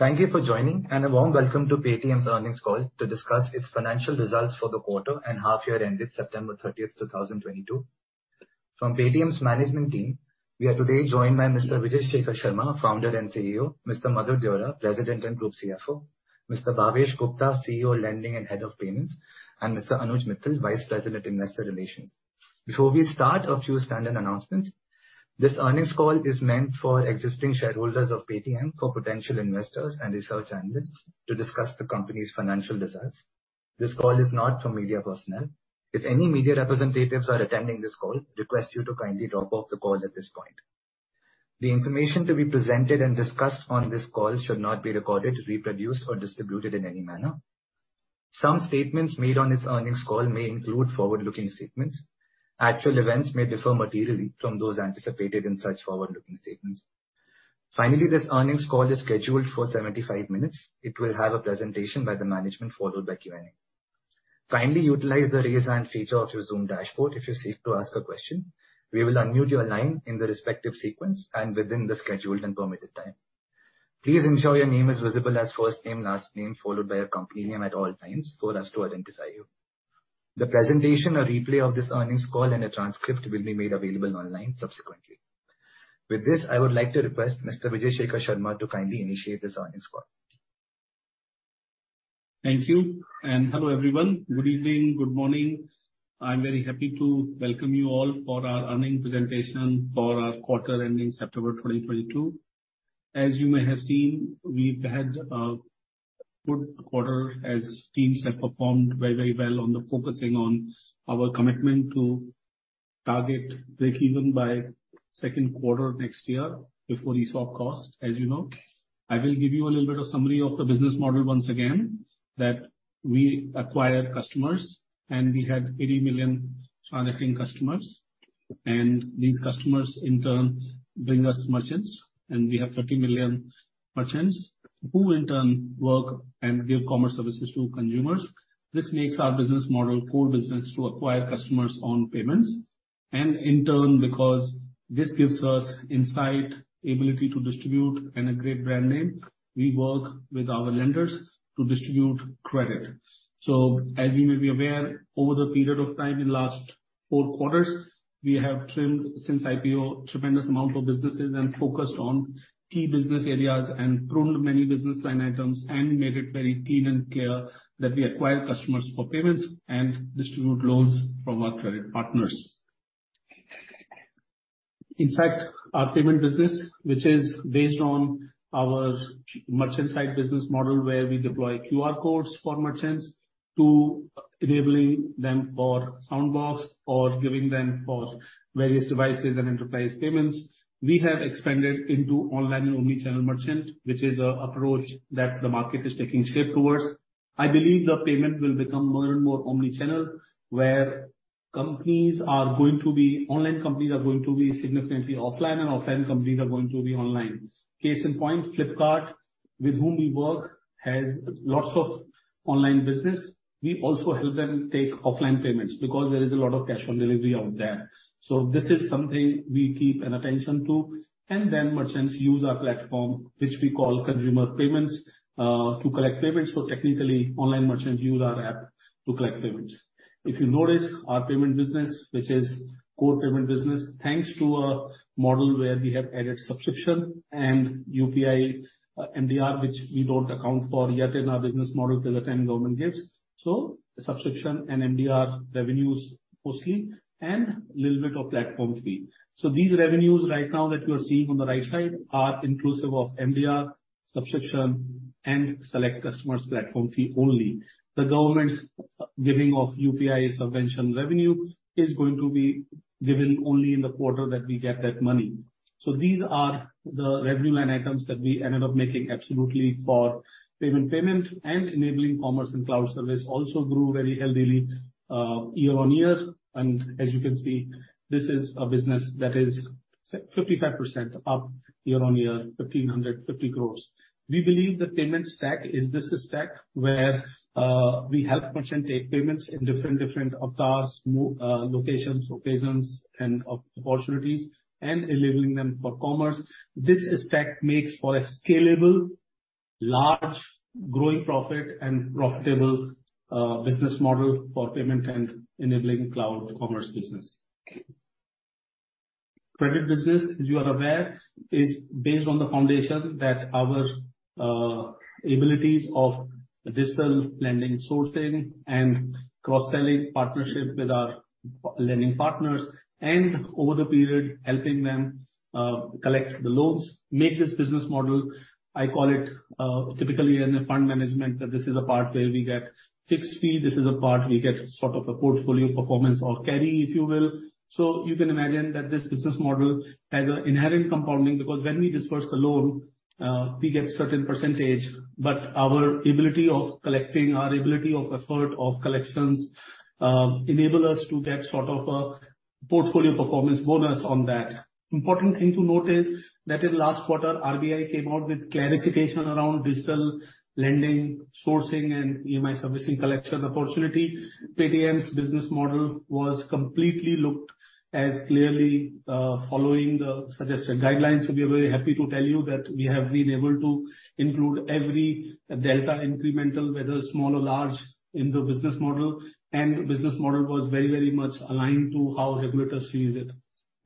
Thank you for joining and a warm welcome to Paytm's earnings call to discuss its financial results for the quarter and half year ended September 30, 2022. From Paytm's management team, we are today joined by Mr. Vijay Shekhar Sharma, Founder and CEO, Mr. Madhur Deora, President and Group CFO, Mr. Bhavesh Gupta, CEO Lending and Head of Payments, and Mr. Anuj Mittal, Vice President, Investor Relations. Before we start, a few standard announcements. This earnings call is meant for existing shareholders of Paytm, for potential investors and research analysts to discuss the company's financial results. This call is not for media personnel. If any media representatives are attending this call, request you to kindly drop off the call at this point. The information to be presented and discussed on this call should not be recorded, reproduced, or distributed in any manner. Some statements made on this earnings call may include forward-looking statements. Actual events may differ materially from those anticipated in such forward-looking statements. Finally, this earnings call is scheduled for 75 minutes. It will have a presentation by the management, followed by Q&A. Finally, utilize the raise hand feature of your Zoom dashboard if you seek to ask a question. We will unmute your line in the respective sequence and within the scheduled and permitted time. Please ensure your name is visible as first name, last name, followed by your company name at all times for us to identify you. The presentation or replay of this earnings call and a transcript will be made available online subsequently. With this, I would like to request Mr. Vijay Shekhar Sharma to kindly initiate this earnings call. Thank you, and hello, everyone. Good evening, good morning. I'm very happy to welcome you all for our earnings presentation for our quarter ending September 2022. As you may have seen, we've had a good quarter as teams have performed very, very well by focusing on our commitment to target breakeven by second quarter next year before ESOP costs, as you know. I will give you a little bit of summary of the business model once again, that we acquire customers, and we had 80 million transacting customers. These customers in turn bring us merchants, and we have 30 million merchants who in turn work and give commerce services to consumers. This makes our business model core business to acquire customers on payments. In turn, because this gives us insight, ability to distribute and a great brand name, we work with our lenders to distribute credit. As you may be aware, over the period of time in last four quarters, we have trimmed since IPO tremendous amount of businesses and focused on key business areas and pruned many business line items and made it very clean and clear that we acquire customers for payments and distribute loans from our credit partners. In fact, our payment business, which is based on our merchant side business model, where we deploy QR codes for merchants to enabling them for Soundbox or giving them for various devices and enterprise payments. We have expanded into online and omni-channel merchant, which is an approach that the market is taking shape towards. I believe the payment will become more and more omni-channel, where online companies are going to be significantly offline and offline companies are going to be online. Case in point, Flipkart, with whom we work, has lots of online business. We also help them take offline payments because there is a lot of cash on delivery out there. This is something we pay attention to and then merchants use our platform, which we call consumer payments, to collect payments. Technically, online merchants use our app to collect payments. If you notice our payment business, which is core payment business, thanks to a model where we have added subscription and UPI, MDR, which we don't account for yet in our business model till the time government gives. Subscription and MDR revenues mostly and little bit of platform fee. These revenues right now that you are seeing on the right side are inclusive of MDR, subscription and select customers platform fee only. The government's giving of UPI subvention revenue is going to be given only in the quarter that we get that money. These are the revenue line items that we ended up making absolutely for payment and enabling commerce and cloud service also grew very healthily, year-on-year. As you can see, this is a business that is 55% up year-on-year, 1,550 crores. We believe the payment stack is business stack where we help merchant take payments in different different avatars, locations, occasions, and opportunities and enabling them for commerce. This stack makes for a scalable, large growing profit and profitable business model for payment and enabling cloud commerce business. Credit business, as you are aware, is based on the foundation that our abilities of digital lending sourcing and cross-selling partnership with our lending partners and over the period helping them collect the loans, make this business model, I call it, typically in a fund management that this is a part where we get fixed fee. This is a part we get sort of a portfolio performance or carry, if you will. You can imagine that this business model has an inherent compounding because when we disburse the loan, we get certain percentage, but our ability of collecting, our ability of effort of collections, enable us to get sort of a portfolio performance bonus on that. Important thing to note is that in last quarter, RBI came out with clarification around digital lending, sourcing and EMI servicing collection opportunity. Paytm's business model was completely looked as clearly, following the suggested guidelines. We are very happy to tell you that we have been able to include every delta incremental, whether small or large, in the business model, and business model was very, very much aligned to how regulators sees it.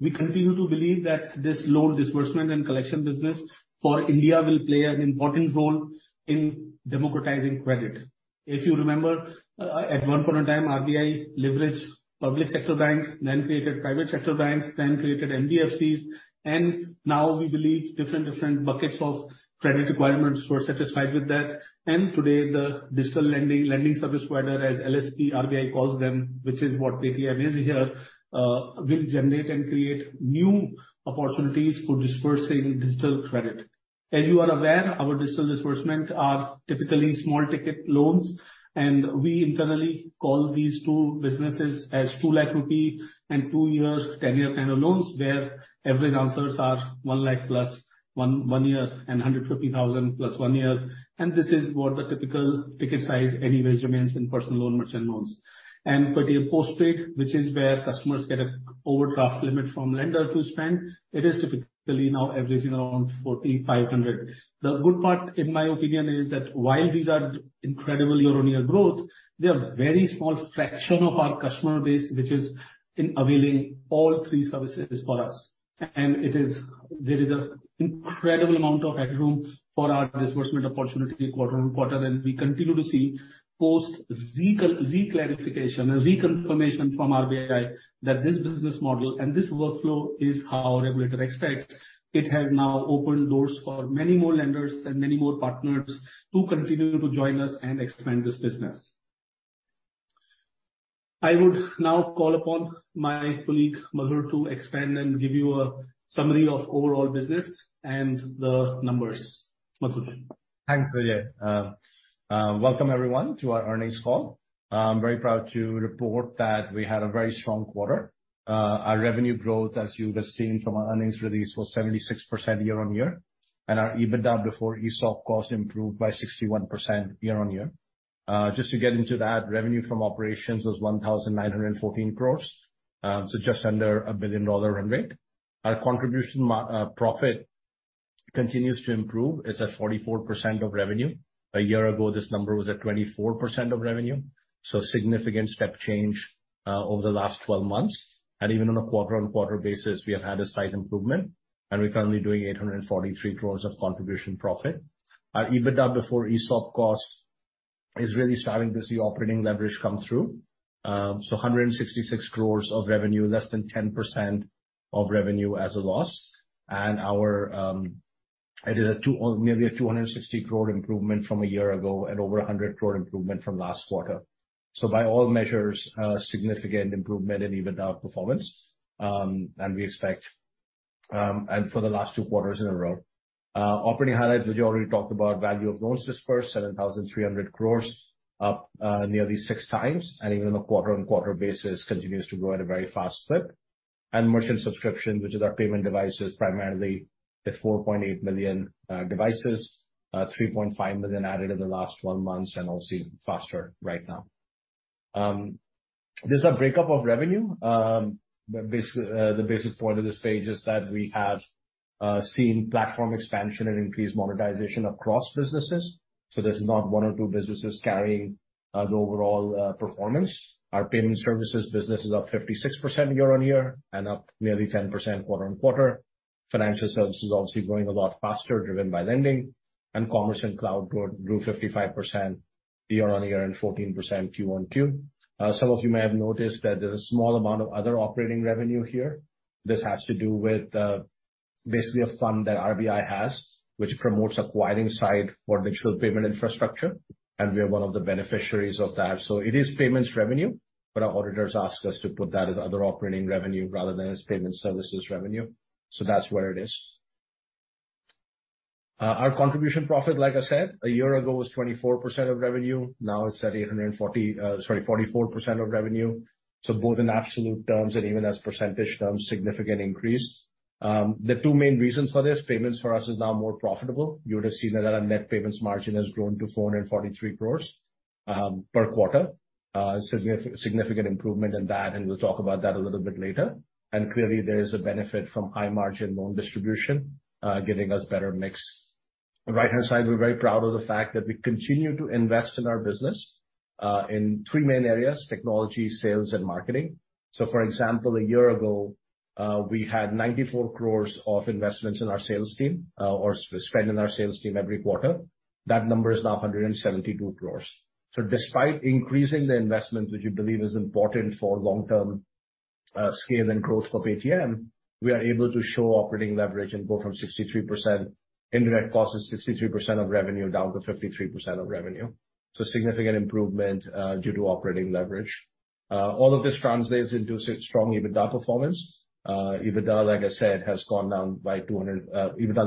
We continue to believe that this loan disbursement and collection business for India will play an important role in democratizing credit. If you remember, at one point in time, RBI leveraged public sector banks, then created private sector banks, then created NBFCs, and now we believe different different buckets of credit requirements were satisfied with that. Today, the digital lending service provider, as LSP RBI calls them, which is what Paytm is here, will generate and create new opportunities for disbursing digital credit. As you are aware, our digital disbursements are typically small ticket loans, and we internally call these two businesses as 2 lakh rupee and 2 years tenure kind of loans, where average advances are 1 lakh plus 1 year and 150,000 plus 1 year. This is what the typical ticket size anyways remains in personal loans, merchant loans. Paytm Postpaid, which is where customers get an overdraft limit from lenders to spend, it is typically now averaging around 4,500. The good part, in my opinion, is that while these are incredible year-on-year growth, they are very small fraction of our customer base, which is availing all three services for us. There is an incredible amount of headroom for our disbursement opportunity quarter-on-quarter. We continue to see post reclarification, reconfirmation from RBI that this business model and this workflow is how regulator expects. It has now opened doors for many more lenders and many more partners to continue to join us and expand this business. I would now call upon my colleague, Madhur, to expand and give you a summary of overall business and the numbers. Madhur? Thanks, Vijay. Welcome everyone to our earnings call. I'm very proud to report that we had a very strong quarter. Our revenue growth, as you would have seen from our earnings release, was 76% year-on-year, and our EBITDA before ESOP cost improved by 61% year-on-year. Just to get into that, revenue from operations was 1,914 crore, so just under a billion-dollar run rate. Our contribution profit continues to improve. It's at 44% of revenue. A year ago, this number was at 24% of revenue, so significant step change over the last twelve months. Even on a quarter-on-quarter basis, we have had a slight improvement and we're currently doing 843 crore of contribution profit. Our EBITDA before ESOP cost is really starting to see operating leverage come through. 166 crores of revenue, less than 10% of revenue as a loss. It is nearly a 260 crore improvement from a year ago, and over 100 crore improvement from last quarter. By all measures, a significant improvement in EBITDA performance, and for the last two quarters in a row. Operating highlights, Vijay already talked about value of loans disbursed, 7,300 crores, up nearly six times, and even on a quarter-on-quarter basis continues to grow at a very fast clip. Merchant subscription, which is our payment devices, primarily is 4.8 million devices, 3.5 million added in the last twelve months, and we'll see faster right now. This is a break up of revenue. The basic point of this page is that we have seen platform expansion and increased monetization across businesses. There's not one or two businesses carrying the overall performance. Our payment services business is up 56% year-on-year and up nearly 10% quarter-on-quarter. Financial services obviously growing a lot faster, driven by lending. Commerce and cloud grew 55% year-on-year and 14% Q-on-Q. Some of you may have noticed that there's a small amount of other operating revenue here. This has to do with basically a fund that RBI has, which promotes acquiring side for digital payment infrastructure, and we are one of the beneficiaries of that. It is payments revenue, but our auditors ask us to put that as other operating revenue rather than as payment services revenue, so that's where it is. Our contribution profit, like I said, a year ago was 24% of revenue. Now it's at 44% of revenue. Both in absolute terms and even as percentage terms, significant increase. The two main reasons for this, payments for us is now more profitable. You would have seen that our net payments margin has grown to 443 crore per quarter. Significant improvement in that, and we'll talk about that a little bit later. Clearly there is a benefit from high margin loan distribution, giving us better mix. The right-hand side, we're very proud of the fact that we continue to invest in our business in three main areas, technology, sales, and marketing. For example, a year ago, we had 94 crores of investments in our sales team, or spend in our sales team every quarter. That number is now 172 crores. Despite increasing the investment which we believe is important for long-term scale and growth for Paytm, we are able to show operating leverage and go from 63% internet costs to 63% of revenue, down to 53% of revenue. Significant improvement due to operating leverage. All of this translates into strong EBITDA performance. EBITDA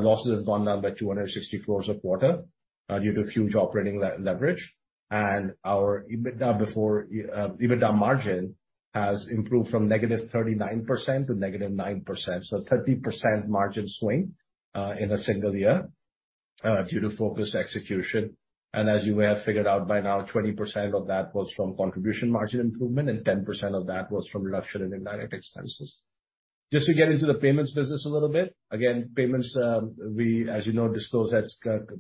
losses have gone down by 260 crores a quarter. Due to huge operating leverage and our EBITDA margin has improved from -39% to -9%. So 30% margin swing in a single year due to focused execution. As you may have figured out by now, 20% of that was from contribution margin improvement and 10% of that was from reduction in indirect expenses. Just to get into the payments business a little bit. Again, payments, we as you know disclose as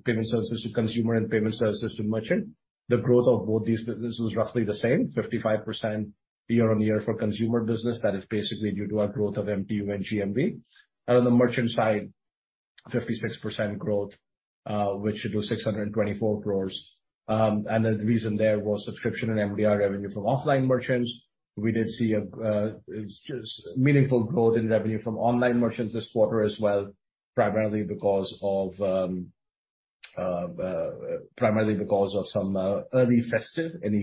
payment services to consumer and payment services to merchant. The growth of both these businesses was roughly the same, 55% year-on-year for consumer business. That is basically due to our growth of MTU and GMV. On the merchant side, 56% growth, which should do 624 crore. The reason there was subscription and MDR revenue from offline merchants. We did see a just meaningful growth in revenue from online merchants this quarter as well. Primarily because of some early festive in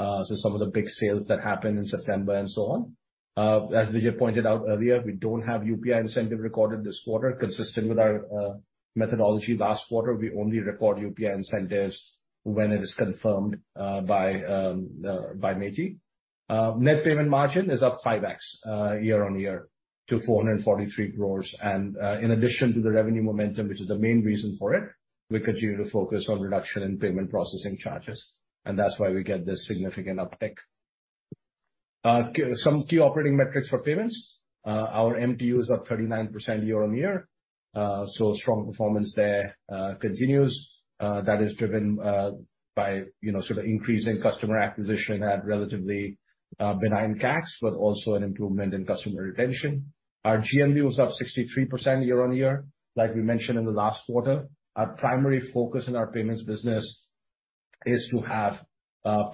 e-commerce. Some of the big sales that happened in September and so on. As Vijay pointed out earlier, we don't have UPI incentive recorded this quarter. Consistent with our methodology last quarter, we only record UPI incentives when it is confirmed by MeitY. Net payment margin is up 5x year-on-year to 443 crore. In addition to the revenue momentum, which is the main reason for it, we continue to focus on reduction in payment processing charges. That's why we get this significant uptick. Some key operating metrics for payments. Our MTU is up 39% year-on-year so strong performance there continues. That is driven by, you know, sort of increasing customer acquisition at relatively benign CACs, but also an improvement in customer retention. Our GMV was up 63% year-on-year. Like we mentioned in the last quarter, our primary focus in our payments business is to have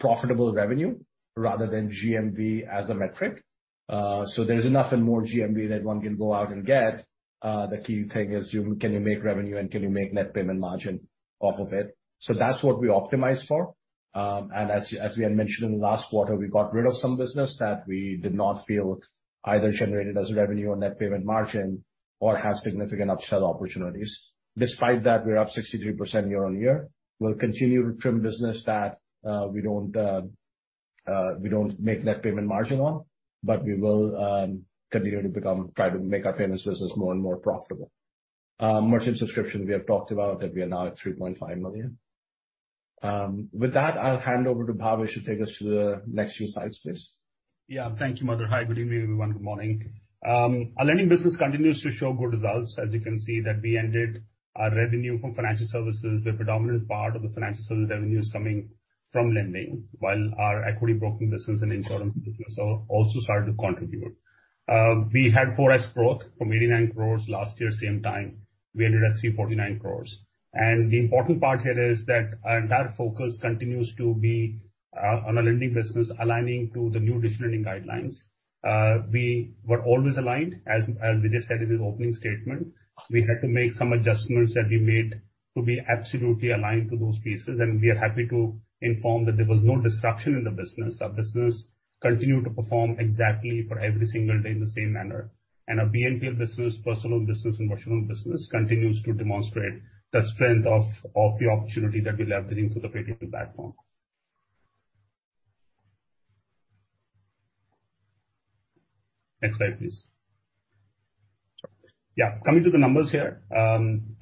profitable revenue rather than GMV as a metric. There's enough and more GMV that one can go out and get. The key thing is, can you make revenue and can you make net payment margin off of it? That's what we optimize for. As we had mentioned in the last quarter, we got rid of some business that we did not feel either generated as revenue or net payment margin or have significant upsell opportunities. Despite that, we're up 63% year-on-year. We'll continue to trim business that we don't make net payment margin on, but we will continue to become, try to make our payments business more and more profitable. Merchant subscription, we have talked about that we are now at 3.5 million. With that, I'll hand over to Bhavesh to take us to the next few slides, please. Yeah. Thank you, Madhur. Hi, good evening, everyone. Good morning. Our lending business continues to show good results. As you can see that we ended our revenue from financial services. The predominant part of the financial services revenue is coming from lending, while our equity broking business and insurance business are also starting to contribute. We had 4x growth from 89 crores last year same time. We ended at 349 crores. The important part here is that our entire focus continues to be on our lending business aligning to the new digital lending guidelines. We were always aligned, as Vijay said in his opening statement. We had to make some adjustments that we made to be absolutely aligned to those pieces and we are happy to inform that there was no disruption in the business. Our business continued to perform exactly for every single day in the same manner. Our BNPL business, personal business and merchant business continues to demonstrate the strength of the opportunity that we're leveraging through the Paytm platform. Next slide, please. Yeah, coming to the numbers here.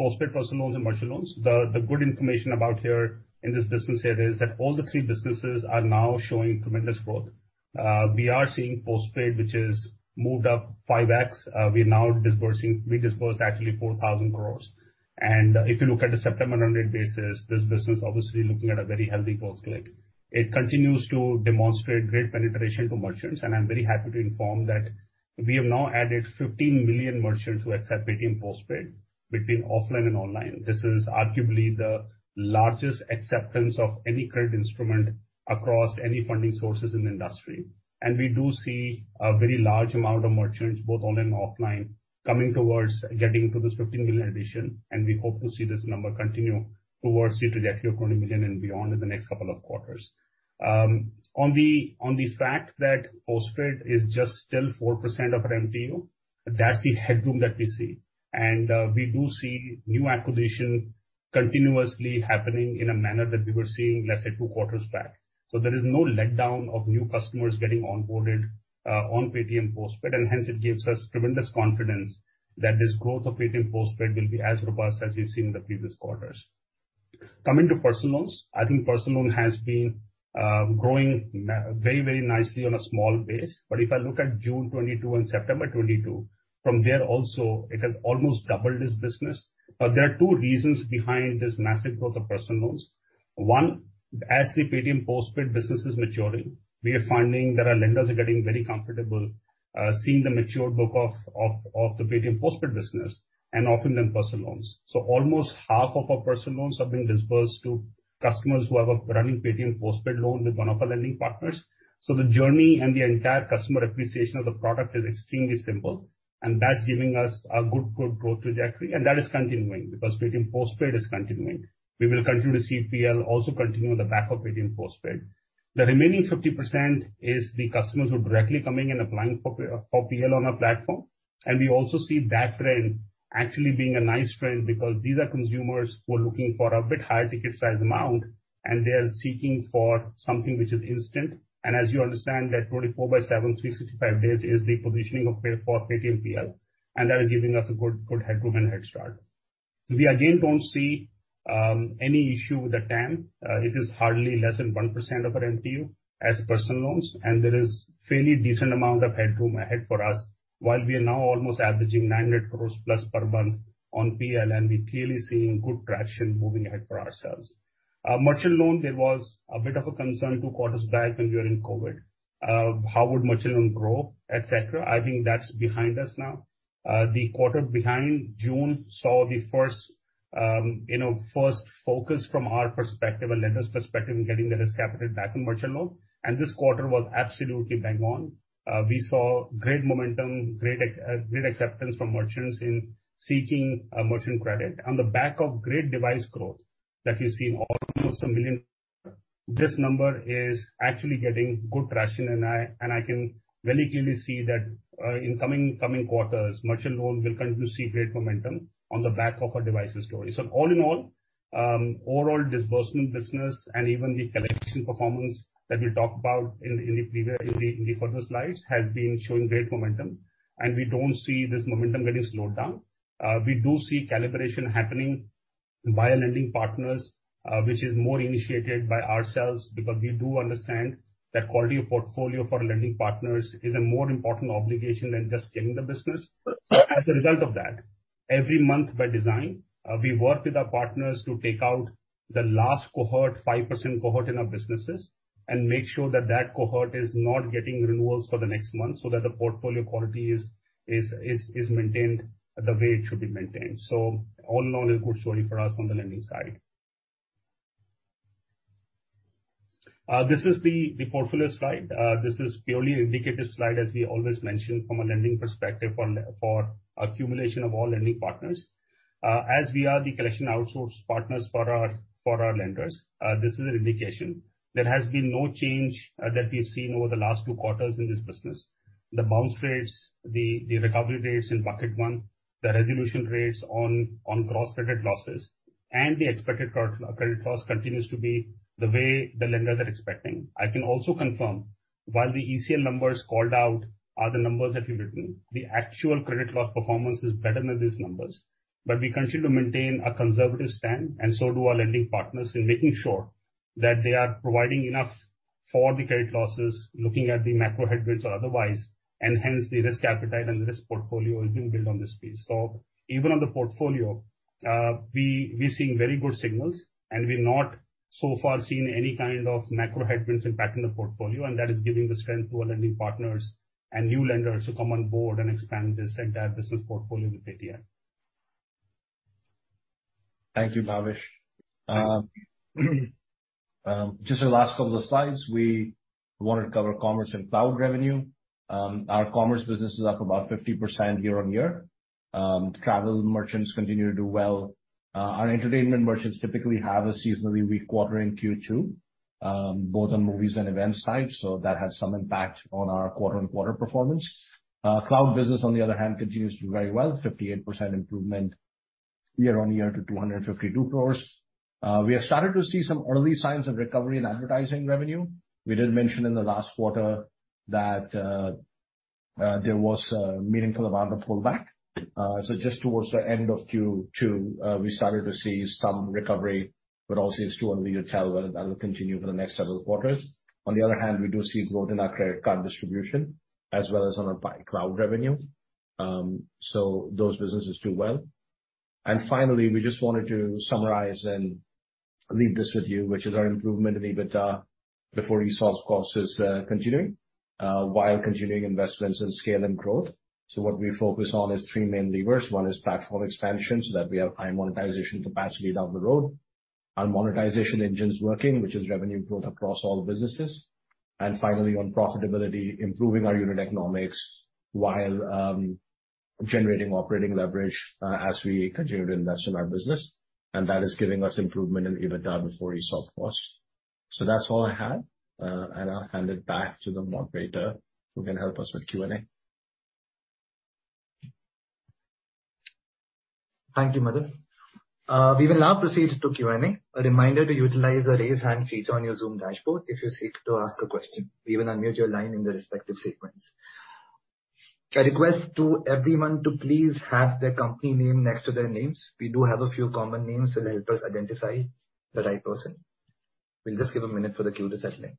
Postpaid, personal loans and merchant loans. The good information about here in this business here is that all the three businesses are now showing tremendous growth. We are seeing postpaid, which is moved up 5x. We are now disbursing, we dispersed actually 4,000 crore. If you look at the September run rate basis, this business obviously looking at a very healthy growth rate. It continues to demonstrate great penetration to merchants and I'm very happy to inform that we have now added 15 million merchants who accept Paytm Postpaid between offline and online. This is arguably the largest acceptance of any credit instrument across any funding sources in the industry. We do see a very large amount of merchants, both online and offline, coming towards getting to this 15 million addition. We hope to see this number continue towards the trajectory of 20 million and beyond in the next couple of quarters. On the fact that Postpaid is just still 4% of our MTU, that's the headroom that we see. We do see new acquisition continuously happening in a manner that we were seeing, let's say, two quarters back. There is no letdown of new customers getting onboarded on Paytm Postpaid. Hence it gives us tremendous confidence that this growth of Paytm Postpaid will be as robust as we've seen in the previous quarters. Coming to personal loans. I think personal loan has been growing very, very nicely on a small base. If I look at June 2022 and September 2022, from there also, it has almost doubled its business. There are two reasons behind this massive growth of personal loans. One, as the Paytm Postpaid business is maturing, we are finding that our lenders are getting very comfortable seeing the mature book of the Paytm Postpaid business and offering them personal loans. Almost half of our personal loans have been disbursed to customers who have a running Paytm Postpaid loan with one of our lending partners. The journey and the entire customer appreciation of the product is extremely simple, and that's giving us a good growth trajectory, and that is continuing because Paytm Postpaid is continuing. We will continue to see PL also continue on the back of Paytm Postpaid. The remaining 50% is the customers who are directly coming and applying for PL on our platform. We also see that trend actually being a nice trend because these are consumers who are looking for a bit higher ticket size amount, and they are seeking for something which is instant. As you understand that 24 by 7, 365 days is the positioning of Paytm PL, and that is giving us a good headroom and headstart. We again don't see any issue with the TAM. It is hardly less than 1% of our MTU as personal loans, and there is fairly decent amount of headroom ahead for us while we are now almost averaging 900 crores+ per month on PL, and we're clearly seeing good traction moving ahead for ourselves. Merchant loan, there was a bit of a concern two quarters back when we were in COVID, how would merchant loan grow, et cetera. I think that's behind us now. The quarter behind June saw the first, you know, first focus from our perspective, a lender's perspective in getting the risk appetite back in merchant loan, and this quarter was absolutely bang on. We saw great momentum, great acceptance from merchants in seeking merchant credit on the back of great device growth that we've seen almost 1 million. This number is actually getting good traction, and I can very clearly see that, in coming quarters, merchant loans will continue to see great momentum on the back of our devices story. All in all, overall disbursement business and even the collection performance that we'll talk about in the further slides, has been showing great momentum, and we don't see this momentum getting slowed down. We do see calibration happening via lending partners, which is more initiated by ourselves, because we do understand that quality of portfolio for lending partners is a more important obligation than just scaling the business. As a result of that, every month by design, we work with our partners to take out the last cohort, 5% cohort in our businesses and make sure that that cohort is not getting renewals for the next month, so that the portfolio quality is maintained the way it should be maintained. All in all, a good story for us on the lending side. This is the portfolio slide. This is purely indicative slide, as we always mention from a lending perspective for the accumulation of all lending partners. As we are the collection outsource partners for our lenders, this is an indication. There has been no change that we've seen over the last two quarters in this business. The bounce rates, the recovery rates in bucket one, the resolution rates on gross credit losses and the expected credit loss continues to be the way the lenders are expecting. I can also confirm while the ECL numbers called out are the numbers that we've written, the actual credit loss performance is better than these numbers. We continue to maintain a conservative stand, and so do our lending partners in making sure that they are providing enough for the credit losses, looking at the macro headwinds or otherwise. Hence the risk appetite and the risk portfolio is being built on this piece. Even on the portfolio, we're seeing very good signals, and we've not so far seen any kind of macro headwinds impact in the portfolio, and that is giving the strength to our lending partners and new lenders to come on board and expand this entire business portfolio with Paytm. Thank you, Bhavesh. Just the last couple of slides. We want to cover commerce and cloud revenue. Our commerce business is up about 50% year-on-year. Travel merchants continue to do well. Our entertainment merchants typically have a seasonally weak quarter in Q2, both on movies and events side, so that has some impact on our quarter-on-quarter performance. Cloud business on the other hand continues to do very well, 58% improvement year-on-year to 252 crore. We have started to see some early signs of recovery in advertising revenue. We did mention in the last quarter that there was a meaningful amount of pullback. Just towards the end of Q2, we started to see some recovery, but also it's too early to tell whether that will continue for the next several quarters. On the other hand, we do see growth in our credit card distribution as well as on our Paytm Cloud revenue. Those businesses do well. Finally, we just wanted to summarize and leave this with you, which is our improvement in EBITDA before ESOP costs is continuing, while continuing investments in scale and growth. What we focus on is three main levers. One is platform expansion, so that we have high monetization capacity down the road. Our monetization engine's working, which is revenue growth across all businesses. Finally, on profitability, improving our unit economics while generating operating leverage, as we continue to invest in our business. That is giving us improvement in EBITDA before reserve costs. That's all I have, and I'll hand it back to the moderator who can help us with Q&A. Thank you, Madhur. We will now proceed to Q&A. A reminder to utilize the raise hand feature on your Zoom dashboard if you seek to ask a question. We will unmute your line in the respective sequence. A request to everyone to please have their company name next to their names. We do have a few common names. It'll help us identify the right person. We'll just give a minute for the queue to settle in.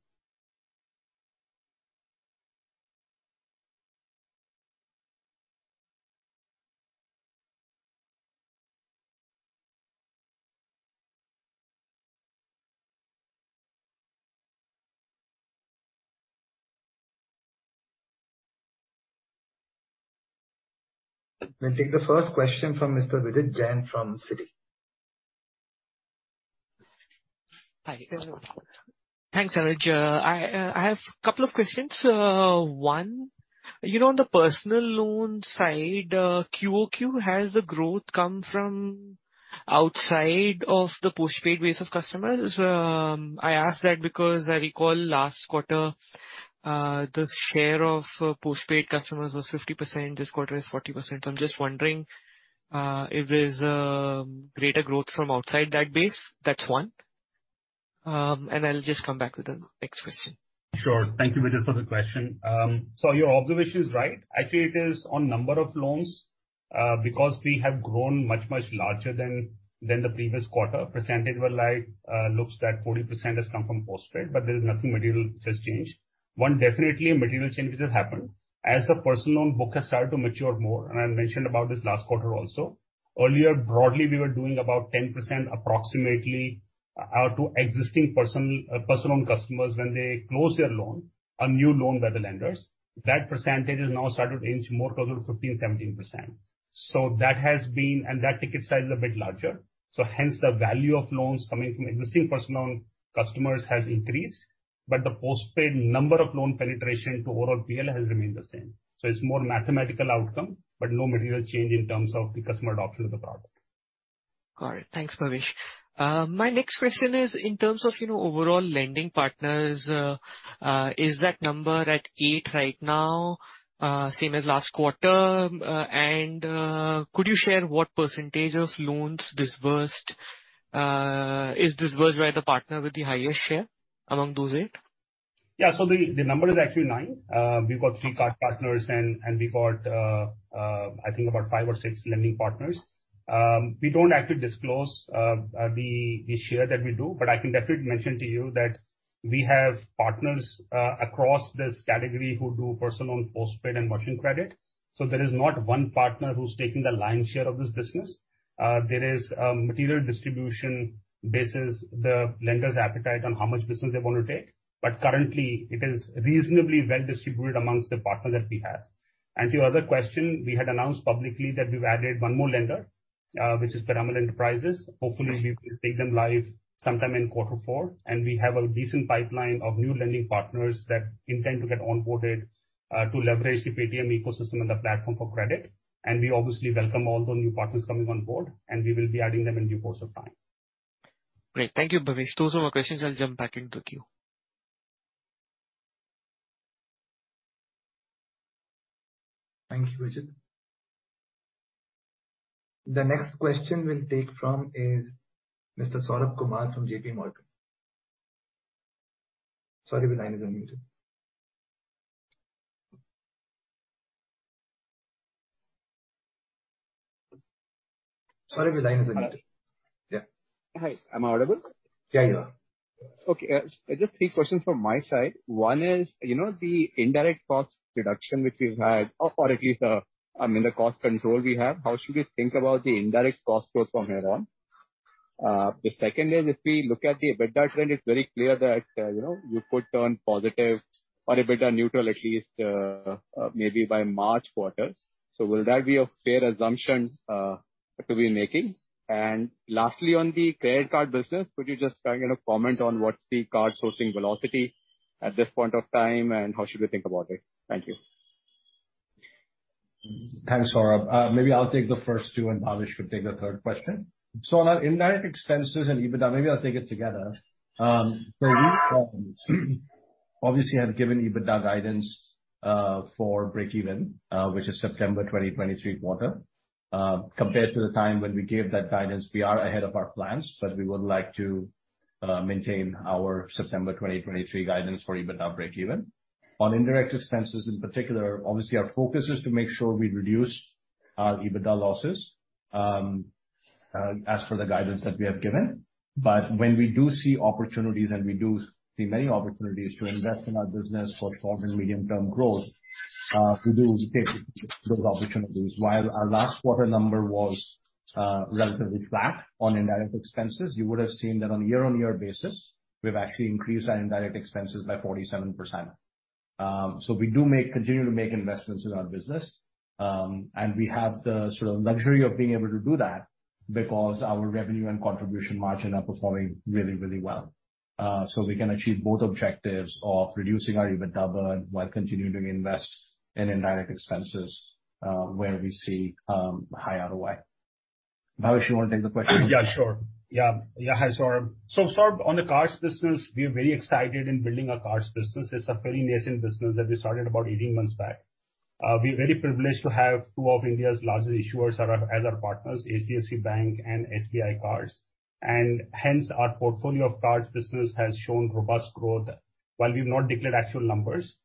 We'll take the first question from Mr. Vijit Jain from Citi. Hi. Thanks, Anuj. I have a couple of questions. One, you know, on the personal loan side, QoQ, has the growth come from- Outside of the postpaid base of customers. I ask that because I recall last quarter, the share of postpaid customers was 50%, this quarter is 40%. I'm just wondering if there's a greater growth from outside that base. That's one. I'll just come back with the next question. Sure. Thank you, Vijit, for the question. Your observation is right. Actually, it is on number of loans, because we have grown much, much larger than the previous quarter. Percentage-wise, looks that 40% has come from postpaid, but there is nothing material that's changed. One, definitely a material change which has happened, as the personal loan book has started to mature more, and I mentioned about this last quarter also. Earlier, broadly, we were doing about 10% approximately, to existing personal loan customers when they close their loan, a new loan by the lenders. That percentage has now started to inch more closer to 15%, 17%. That has been. That ticket size is a bit larger. Hence the value of loans coming from existing personal loan customers has increased. But the postpaid number of loan penetration to overall PL has remained the same. It's more mathematical outcome, but no material change in terms of the customer adoption of the product. Got it. Thanks, Bhavesh. My next question is in terms of, you know, overall lending partners, is that number at eight right now, same as last quarter? Could you share what percentage of loans is disbursed by the partner with the highest share among those eight? The number is actually nine. We've got three card partners and we've got I think about five or six lending partners. We don't actually disclose the share that we do, but I can definitely mention to you that we have partners across this category who do personal loan, postpaid, and merchant credit. There is not one partner who's taking the lion's share of this business. There is material distribution based on the lenders' appetite on how much business they wanna take. Currently it is reasonably well distributed amongst the partners that we have. To your other question, we had announced publicly that we've added one more lender, which is Piramal Enterprises. Hopefully we will take them live sometime in quarter four. We have a decent pipeline of new lending partners that intend to get onboarded, to leverage the Paytm ecosystem and the platform for credit. We obviously welcome all the new partners coming on board, and we will be adding them in due course of time. Great. Thank you, Bhavesh. Those are my questions. I'll jump back into queue. Thank you, Vijit. The next question we'll take from is Mr. Saurabh Kumar from JP Morgan. Sorry, your line is unmuted. Yeah. Hi, am I audible? Yeah, you are. Okay. Just three questions from my side. One is, you know, the indirect cost reduction which we've had or at least, I mean, the cost control we have, how should we think about the indirect cost growth from here on? The second is, if we look at the EBITDA trend, it's very clear that, you know, you could turn positive or EBITDA neutral at least, maybe by March quarter. So will that be a fair assumption that we'll be making? Lastly, on the credit card business, could you just, you know, comment on what's the card sourcing velocity at this point of time, and how should we think about it? Thank you. Thanks, Saurabh Kumar. Maybe I'll take the first two, and Bhavesh Gupta could take the third question. On our indirect expenses and EBITDA, maybe I'll take it together. Obviously I've given EBITDA guidance for breakeven, which is September 2023 quarter. Compared to the time when we gave that guidance, we are ahead of our plans, but we would like to maintain our September 2023 guidance for EBITDA breakeven. On indirect expenses in particular, obviously our focus is to make sure we reduce our EBITDA losses as per the guidance that we have given, but when we do see opportunities, and we do see many opportunities to invest in our business for short and medium-term growth, we do take those opportunities. While our last quarter number was relatively flat on indirect expenses, you would have seen that on a year-on-year basis, we've actually increased our indirect expenses by 47%. So we continue to make investments in our business. We have the sort of luxury of being able to do that because our revenue and contribution margin are performing really, really well. We can achieve both objectives of reducing our EBITDA while continuing to invest in indirect expenses, where we see high ROI. Bhavesh, you wanna take the question? Yeah, sure. Yeah. Hi, Saurabh. Saurabh, on the cards business, we are very excited in building our cards business. It's a very nascent business that we started about 18 months back. We're very privileged to have two of India's largest issuers as our partners, HDFC Bank and SBI Cards. Hence our portfolio of cards business has shown robust growth. While we've not declared actual numbers,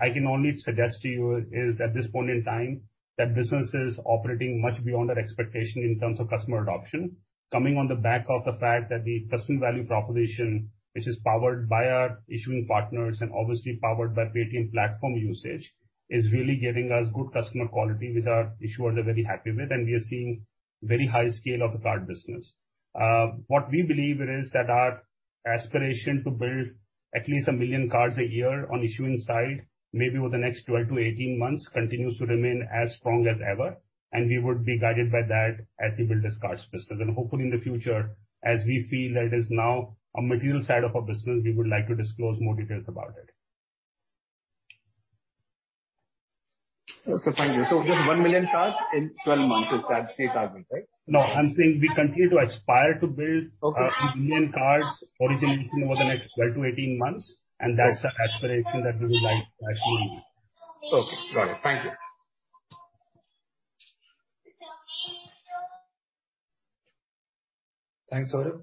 I can only suggest to you that at this point in time, that business is operating much beyond our expectation in terms of customer adoption. Coming on the back of the fact that the customer value proposition, which is powered by our issuing partners and obviously powered by Paytm platform usage, is really giving us good customer quality which our issuers are very happy with, and we are seeing very high scale of the card business. What we believe is that our aspiration to build at least 1 million cards a year on issuing side, maybe over the next 12-18 months, continues to remain as strong as ever, and we would be guided by that as we build this cards business. Hopefully in the future, as we feel that it is now a material side of our business, we would like to disclose more details about it. Thank you. Just 1 million cards in 12 months is that the target, right? No, I'm saying we continue to aspire to build. Okay. 1 million cards origination over the next 12 to 18 months, and that's the aspiration that we would like to achieve. Okay. Got it. Thank you. Thanks, Saurabh.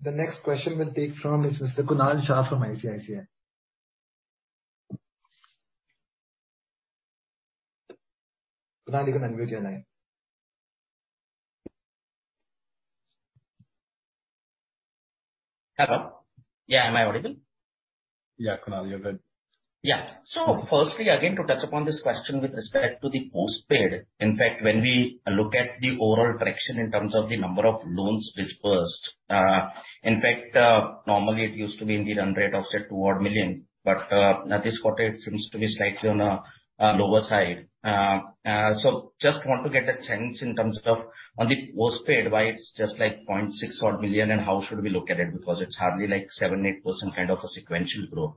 The next question we'll take from is Mr. Kunal Shah from ICICI. Kunal, you can unmute your line. Hello? Yeah. Am I audible? Yeah, Kunal, you're good. Yeah. Firstly, again, to touch upon this question with respect to the postpaid. In fact, when we look at the overall correction in terms of the number of loans disbursed, in fact, normally it used to be in the run rate of say towards a million, but now this quarter it seems to be slightly on a lower side. Just want to get a sense in terms of on the postpaid, why it's just like 0.6 odd million and how should we look at it? Because it's hardly like 7%-8% kind of a sequential growth.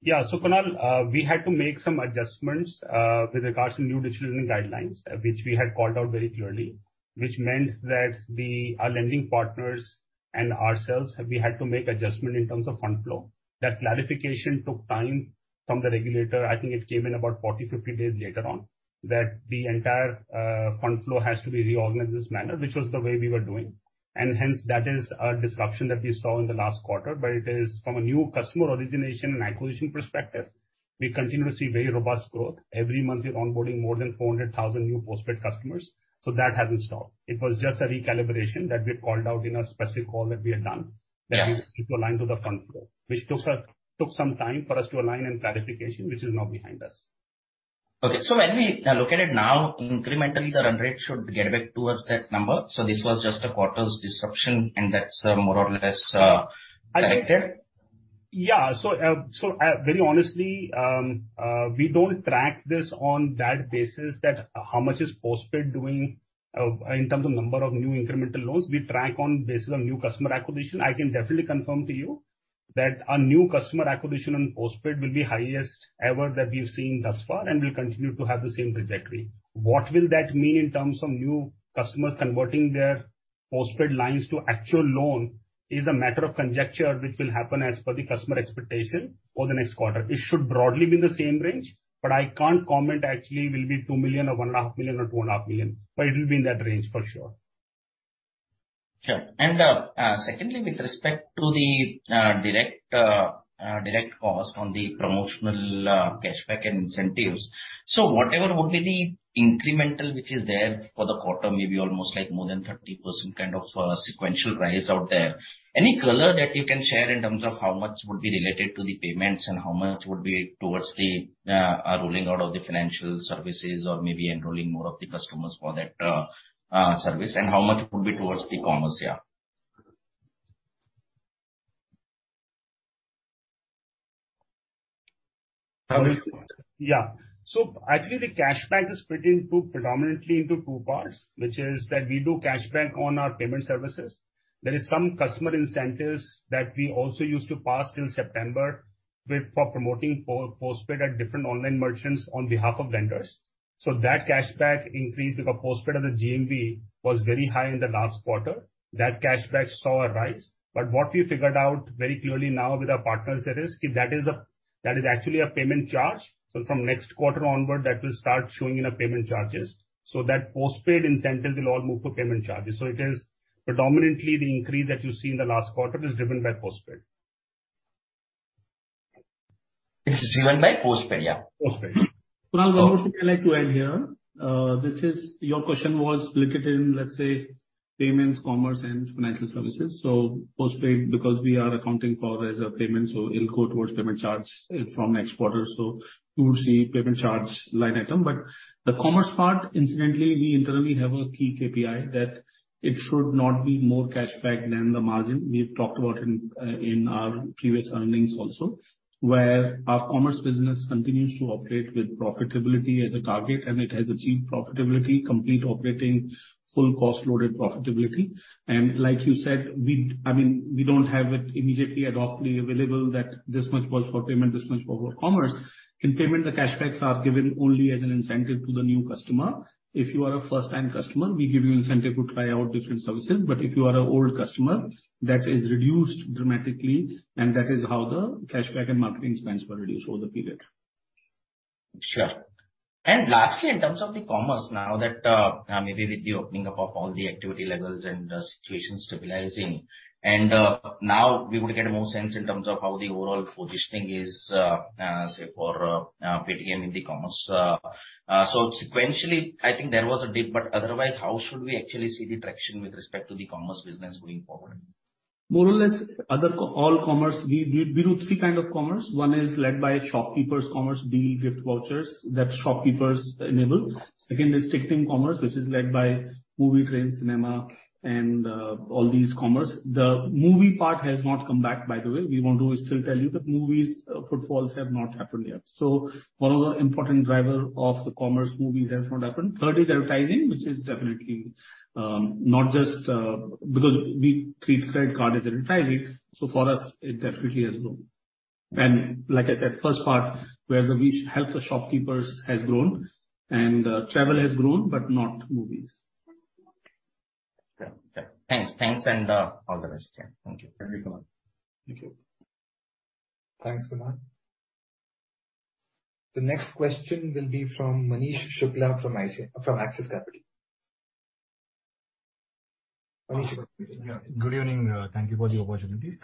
Yeah. Kunal, we had to make some adjustments with regards to new digital lending guidelines, which we had called out very clearly. Which meant that our lending partners and ourselves, we had to make adjustment in terms of fund flow. That clarification took time from the regulator. I think it came in about 40-50 days later on, that the entire fund flow has to be reorganized in this manner, which was the way we were doing. And hence that is a disruption that we saw in the last quarter, but it is from a new customer origination and acquisition perspective, we continue to see very robust growth. Every month we're onboarding more than 400,000 new postpaid customers, so that hasn't stopped. It was just a recalibration that we had called out in a specific call that we had done. Yeah. That we need to align to the fund flow, which took some time for us to align and clarification, which is now behind us. Okay. When we look at it now, incrementally the run rate should get back towards that number. This was just a quarter's disruption and that's more or less corrected? Very honestly, we don't track this on that basis that how much is postpaid doing in terms of number of new incremental loans. We track on basis of new customer acquisition. I can definitely confirm to you that our new customer acquisition on postpaid will be highest ever that we've seen thus far and will continue to have the same trajectory. What will that mean in terms of new customers converting their postpaid lines to actual loan is a matter of conjecture, which will happen as per the customer expectation for the next quarter. It should broadly be in the same range, but I can't comment actually will it be 2 million or 1.5 million or 2.5 million, but it will be in that range for sure. Sure. Secondly, with respect to the direct cost on the promotional cashback and incentives. Whatever would be the incremental which is there for the quarter, maybe almost like more than 30% kind of sequential rise out there. Any color that you can share in terms of how much would be related to the payments and how much would be towards the rolling out of the financial services or maybe enrolling more of the customers for that service and how much would be towards the commerce, yeah? Yeah. Actually the cashback is split into predominantly into two parts, which is that we do cashback on our payment services. There is some customer incentives that we also used to pass till September with, for promoting postpaid at different online merchants on behalf of lenders. That cashback increased because postpaid as a GMV was very high in the last quarter. That cashback saw a rise. What we figured out very clearly now with our partners is that that is actually a payment charge, so from next quarter onward that will start showing in our payment charges. That postpaid incentive will all move to payment charges. It is predominantly the increase that you see in the last quarter is driven by postpaid. It's driven by postpaid, yeah. Postpaid. Kunal, one more thing I'd like to add here. Your question was split it in, let's say, payments, commerce and financial services. Postpaid because we are accounting for as a payment, so it'll go towards payment charge, from next quarter, so you would see payment charge line item. But the commerce part, incidentally, we internally have a key KPI that it should not be more cashback than the margin. We've talked about in our previous earnings also, where our commerce business continues to operate with profitability as a target and it has achieved profitability, complete operating, full cost loaded profitability. Like you said, we, I mean, we don't have it immediately adoptively available that this much was for payment, this much was for commerce. In payment, the cashbacks are given only as an incentive to the new customer. If you are a first-time customer, we give you incentive to try out different services. If you are an old customer, that is reduced dramatically and that is how the cashback and marketing spends were reduced over the period. Sure. Lastly, in terms of the commerce, now that maybe with the opening up of all the activity levels and the situation stabilizing, and now we would get a more sense in terms of how the overall positioning is, say for Paytm in the commerce. So sequentially, I think there was a dip, but otherwise how should we actually see the traction with respect to the commerce business going forward? More or less other commerce, all commerce, we do three kind of commerce. One is led by shopkeepers commerce, deal gift vouchers that shopkeepers enable. Second is ticketing commerce, which is led by movie, train, cinema and all these commerce. The movie part has not come back by the way. We want to still tell you that movies footfalls have not happened yet. One of the important driver of the commerce movies has not happened. Third is advertising, which is definitely not just because we treat credit card as advertising, so for us it definitely has grown. Like I said, first part where we help the shopkeepers has grown and travel has grown, but not movies. Yeah. Thanks and all the best. Yeah. Thank you. Thank you, Kumar. Thank you. Thanks, Kumar. The next question will be from Manish Shukla from Axis Capital. Manish Shukla. Yeah. Good evening. Thank you for the opportunity.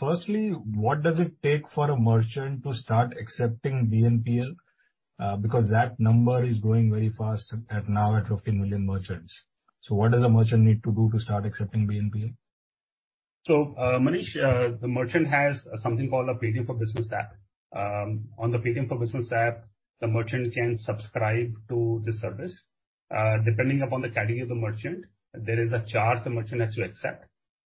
Firstly, what does it take for a merchant to start accepting BNPL, because that number is growing very fast, now at 15 million merchants. What does a merchant need to do to start accepting BNPL? Manish, the merchant has something called a Paytm for Business app. On the Paytm for Business app, the merchant can subscribe to the service. Depending upon the category of the merchant, there is a charge the merchant has to accept,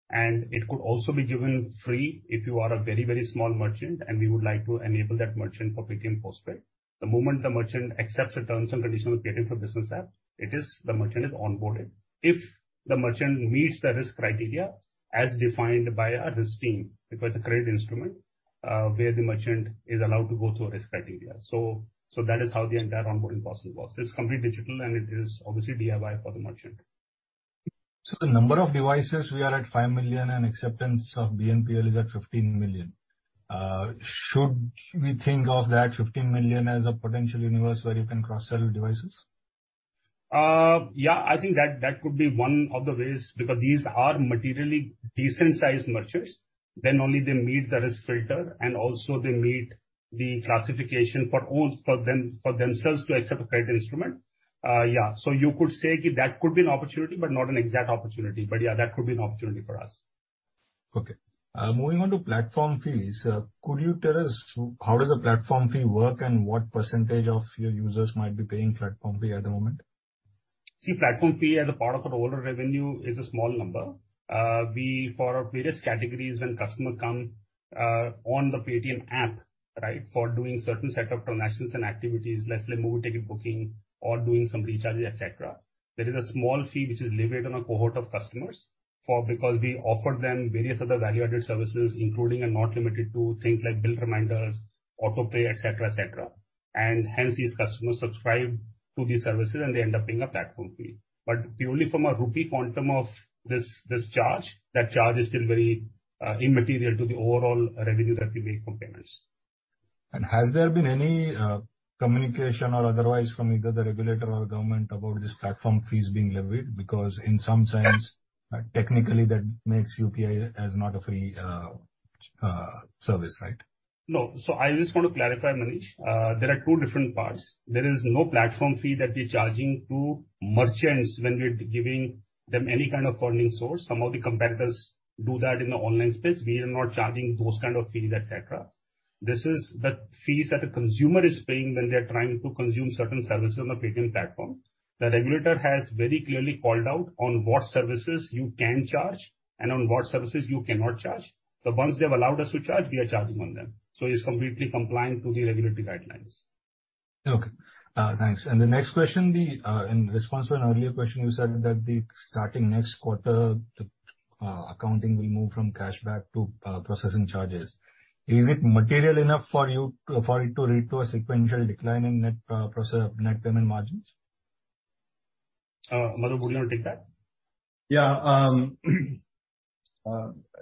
and it could also be given free if you are a very, very small merchant and we would like to enable that merchant for Paytm Postpaid. The moment the merchant accepts the terms and conditions of Paytm for Business app, it is, the merchant is onboarded. If the merchant meets the risk criteria as defined by our risk team, because a credit instrument, where the merchant is allowed to go through a risk criteria. That is how the entire onboarding process works. It's completely digital, and it is obviously DIY for the merchant. The number of devices we are at 5 million and acceptance of BNPL is at 15 million. Should we think of that 15 million as a potential universe where you can cross-sell devices? Yeah. I think that could be one of the ways, because these are materially decent-sized merchants, then only they meet the risk filter, and also they meet the classification for them, for themselves to accept a credit instrument. Yeah. You could say that could be an opportunity, but not an exact opportunity. Yeah, that could be an opportunity for us. Okay. Moving on to platform fees, could you tell us how does the platform fee work and what percentage of your users might be paying platform fee at the moment? See, platform fee as a part of our overall revenue is a small number. We, for our various categories, when customer come on the Paytm app, right? For doing certain set of transactions and activities, let's say movie ticket booking or doing some recharge, et cetera, there is a small fee which is levied on a cohort of customers because we offer them various other value-added services, including and not limited to things like bill reminders, auto pay, et cetera, et cetera. Hence these customers subscribe to these services and they end up paying a platform fee. Purely from a rupee quantum of this charge, that charge is still very immaterial to the overall revenue that we make from payments. Has there been any communication or otherwise from either the regulator or government about these platform fees being levied? Because in some sense, technically that makes UPI as not a free service, right? No. I just want to clarify, Manish. There are two different parts. There is no platform fee that we're charging to merchants when we're giving them any kind of funding source. Some of the competitors do that in the online space. We are not charging those kind of fees, et cetera. This is the fees that a consumer is paying when they're trying to consume certain services on the Paytm platform. The regulator has very clearly called out on what services you can charge and on what services you cannot charge. The ones they have allowed us to charge, we are charging on them. It's completely compliant to the regulatory guidelines. Okay. Thanks. The next question, in response to an earlier question, you said that starting next quarter, the accounting will move from cashback to processing charges. Is it material enough for you, for it to lead to a sequential decline in net payment margins? Madhur, would you want to take that? Yeah.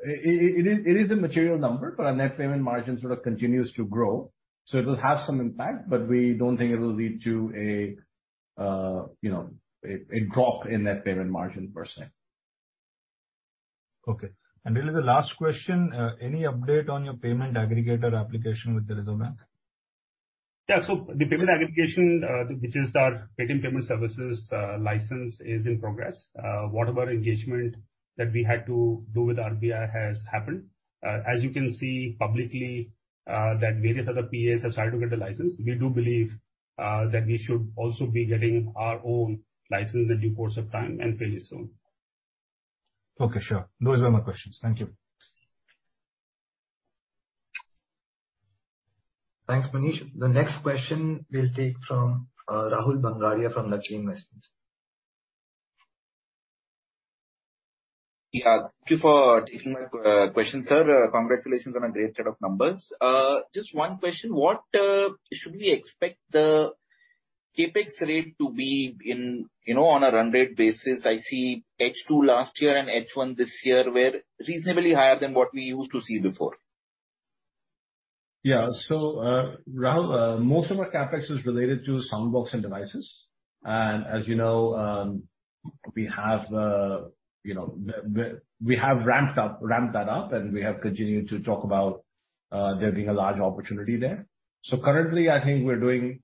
It is a material number, but our net payment margin sort of continues to grow. It will have some impact, but we don't think it will lead to a, you know, a drop in net payment margin per se. Okay. There is a last question, any update on your payment aggregator application with the Reserve Bank? The payment aggregation, which is our Paytm Payments Services, license is in progress. Whatever engagement that we had to do with RBI has happened. As you can see publicly, that various other PAs have started to get the license. We do believe that we should also be getting our own license in due course of time, and fairly soon. Okay. Sure. Those were my questions. Thank you. Thanks. Thanks, Manish. The next question we'll take from Rahul Bhangadia from Lucky Investment Managers. Yeah. Thank you for taking my question, sir. Congratulations on a great set of numbers. Just one question. What should we expect the CapEx rate to be in, you know, on a run rate basis? I see H2 last year and H1 this year were reasonably higher than what we used to see before. Yeah. Rahul, most of our CapEx is related to Soundbox and devices. As you know, we have ramped that up and we have continued to talk about there being a large opportunity there. Currently, I think we're doing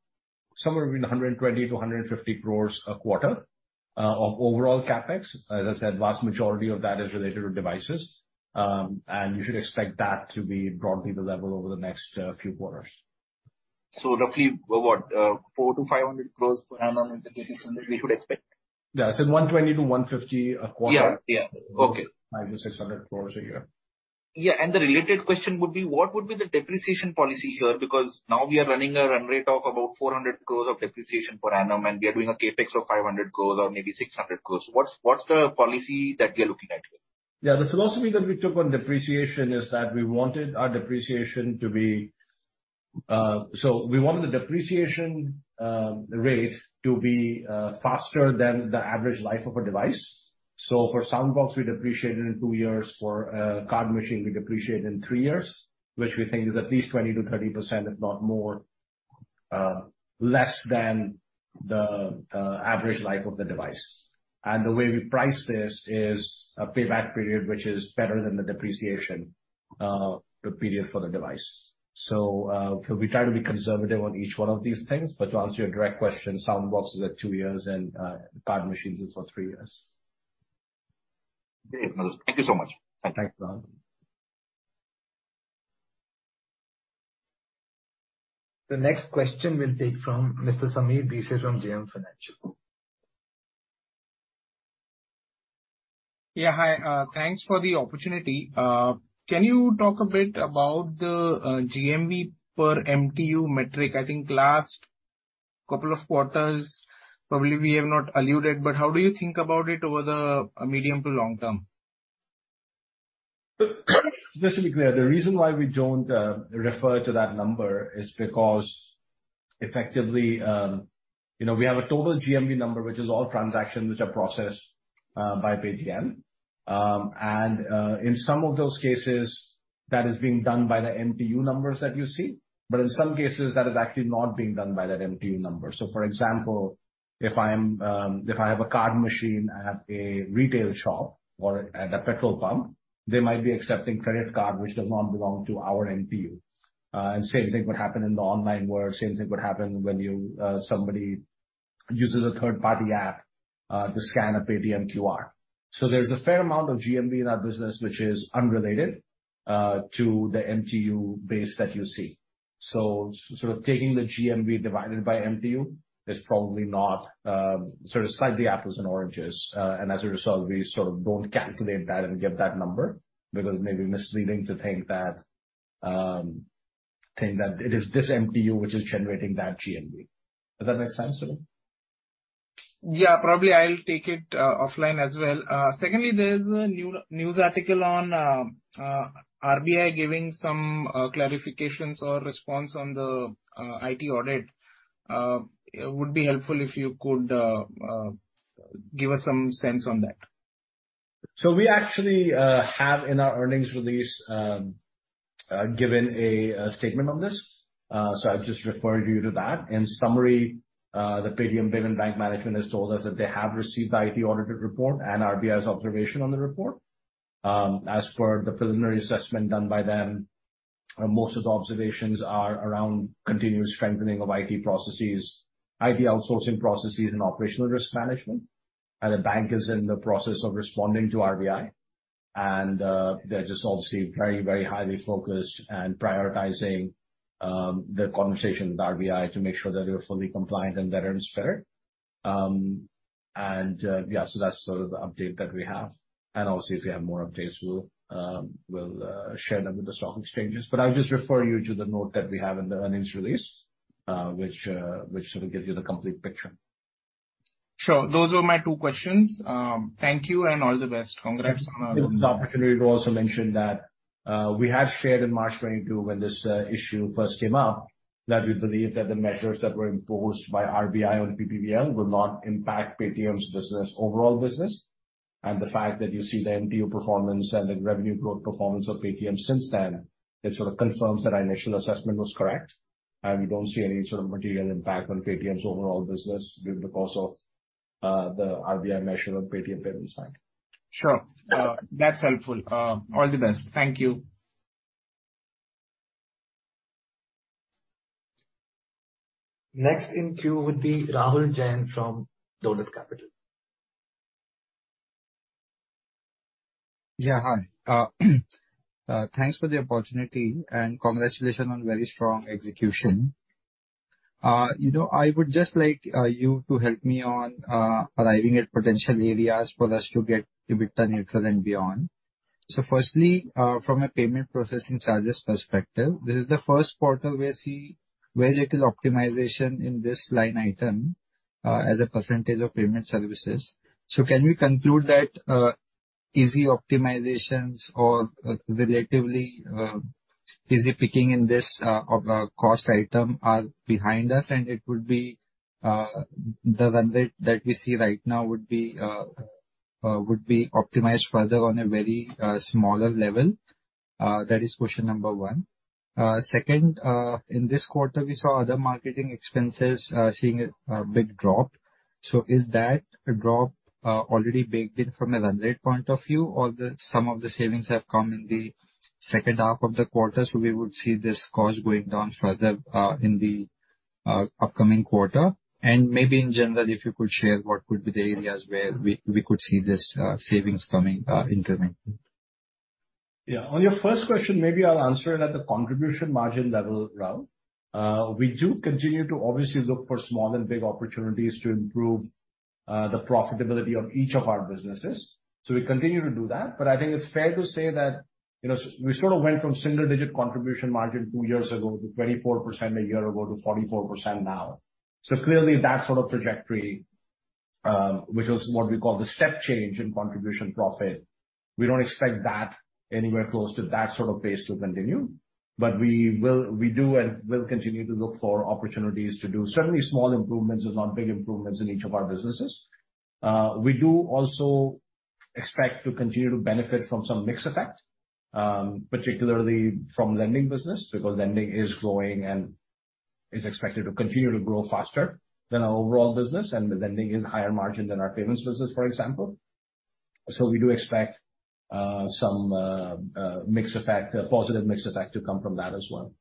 somewhere between 120 crore and 150 crore a quarter of overall CapEx. As I said, vast majority of that is related to devices. You should expect that to be broadly the level over the next few quarters. Roughly what? 400 crore-500 crore per annum is the CapEx number we should expect? Yeah. I said 120-150 a quarter. Yeah, yeah. Okay. 500-600 crore a year. Yeah. The related question would be, what would be the depreciation policy here? Because now we are running a run rate of about 400 crores of depreciation per annum, and we are doing a CapEx of 500 crores or maybe 600 crores. What's the policy that we are looking at here? Yeah. The philosophy that we took on depreciation is that we wanted our depreciation to be, so we want the depreciation rate to be faster than the average life of a device. For Soundbox, we depreciate it in two years. For card machine, we depreciate in three years, which we think is at least 20%-30%, if not more, less than the average life of the device. The way we price this is a payback period which is better than the depreciation period for the device. We try to be conservative on each one of these things. To answer your direct question, Soundbox is at two years and card machines is for three years. Okay, Madhur. Thank you so much. Thanks, Rahul. The next question we'll take from Mr. Sameer Bhise from JM Financial. Yeah, hi. Thanks for the opportunity. Can you talk a bit about the GMV per MTU metric? I think last couple of quarters probably we have not alluded, but how do you think about it over the medium to long term? Just to be clear, the reason why we don't refer to that number is because effectively, you know, we have a total GMV number, which is all transactions which are processed by Paytm. In some of those cases that is being done by the MTU numbers that you see, but in some cases that is actually not being done by that MTU number. For example, if I have a card machine at a retail shop or at a petrol pump, they might be accepting credit card which does not belong to our MTU. Same thing would happen in the online world. Same thing would happen when somebody uses a third-party app to scan a Paytm QR. There's a fair amount of GMV in our business which is unrelated to the MTU base that you see. Sort of taking the GMV divided by MTU is probably not sort of slightly apples and oranges, and as a result we sort of don't calculate that and give that number because it may be misleading to think that it is this MTU which is generating that GMV. Does that make sense, Sameer? Yeah, probably I'll take it offline as well. Secondly, there's a news article on RBI giving some clarifications or response on the IT audit. It would be helpful if you could give us some sense on that. We actually have in our earnings release given a statement on this, so I'll just refer you to that. In summary, the Paytm Payments Bank management has told us that they have received the IT audit report and RBI's observation on the report. As per the preliminary assessment done by them, most of the observations are around continuous strengthening of IT processes, IT outsourcing processes and operational risk management. The bank is in the process of responding to RBI and they're just obviously very, very highly focused and prioritizing the conversation with RBI to make sure that they're fully compliant and that risk bearer. That's sort of the update that we have. Obviously if we have more updates, we'll share them with the stock exchanges. I'll just refer you to the note that we have in the earnings release, which sort of gives you the complete picture. Sure. Those were my two questions. Thank you and all the best. Congrats on- Take this opportunity to also mention that we had shared in March 2022 when this issue first came up, that we believe that the measures that were imposed by RBI on PPBL will not impact Paytm's business, overall business. The fact that you see the MTU performance and the revenue growth performance of Paytm since then, it sort of confirms that our initial assessment was correct and we don't see any sort of material impact on Paytm's overall business due to the course of the RBI measure on Paytm Payments Bank. Sure. That's helpful. All the best. Thank you. Next in queue would be Rahul Jain from Dolat Capital. Yeah, hi. Thanks for the opportunity and congratulations on very strong execution. You know, I would just like you to help me on arriving at potential areas for us to get to be return neutral and beyond. Firstly, from a payment processing charges perspective, this is the first quarter we see very little optimization in this line item as a percentage of payment services. So can we conclude that easy optimizations or relatively easy picking in this cost item are behind us and it would be the run rate that we see right now would be optimized further on a very smaller level? That is question number one. Second, in this quarter, we saw other marketing expenses seeing a big drop. Is that a drop already baked in from a run rate point of view or some of the savings have come in the second half of the quarter, so we would see this cost going down further in the upcoming quarter? Maybe in general, if you could share what would be the areas where we could see this savings coming in coming. Yeah. On your first question, maybe I'll answer it at the contribution margin level, Rahul. We do continue to obviously look for small and big opportunities to improve the profitability of each of our businesses. We continue to do that, but I think it's fair to say that, you know, we sort of went from single digit contribution margin two years ago to 24% a year ago to 44% now. Clearly that sort of trajectory. Which is what we call the step change in contribution profit. We don't expect that anywhere close to that sort of pace to continue, but we do and will continue to look for opportunities to do. Certainly, small improvements if not big improvements in each of our businesses. We do also expect to continue to benefit from some mix effect, particularly from lending business. Because lending is growing and is expected to continue to grow faster than our overall business. The lending is higher margin than our payments business, for example. We do expect some mix effect, a positive mix effect to come from that as well.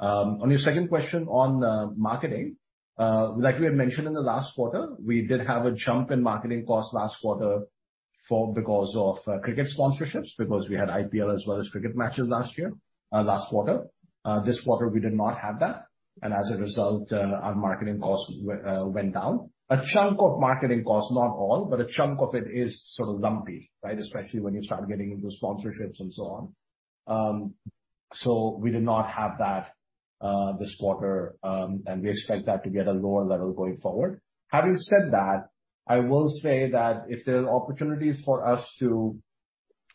On your second question on marketing. Like we had mentioned in the last quarter, we did have a jump in marketing costs last quarter because of cricket sponsorships, because we had IPL as well as cricket matches last year, last quarter. This quarter, we did not have that. As a result, our marketing costs went down. A chunk of marketing costs, not all, but a chunk of it is sort of lumpy, right? Especially when you start getting into sponsorships and so on. We did not have that this quarter, and we expect that to be at a lower level going forward. Having said that, I will say that if there are opportunities for us to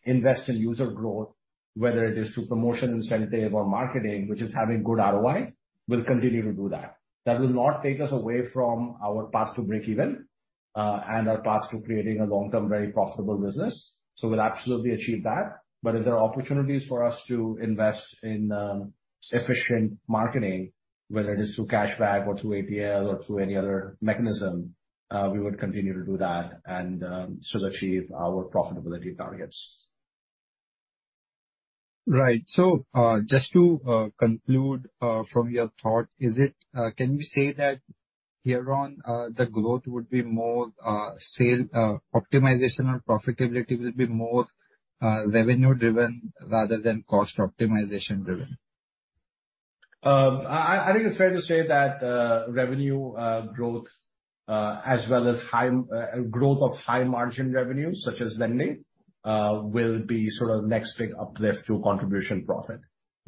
invest in user growth, whether it is through promotion, incentive or marketing, which is having good ROI, we'll continue to do that. That will not take us away from our path to breakeven, and our path to creating a long-term, very profitable business. We'll absolutely achieve that. If there are opportunities for us to invest in efficient marketing, whether it is through cashback or through ATL or through any other mechanism, we would continue to do that and still achieve our profitability targets. Right. Just to conclude from your thought, can we say that here on the growth would be more sales optimization or profitability will be more revenue driven rather than cost optimization driven? I think it's fair to say that revenue growth as well as growth of high margin revenues such as lending will be sort of next big uplift to contribution profit.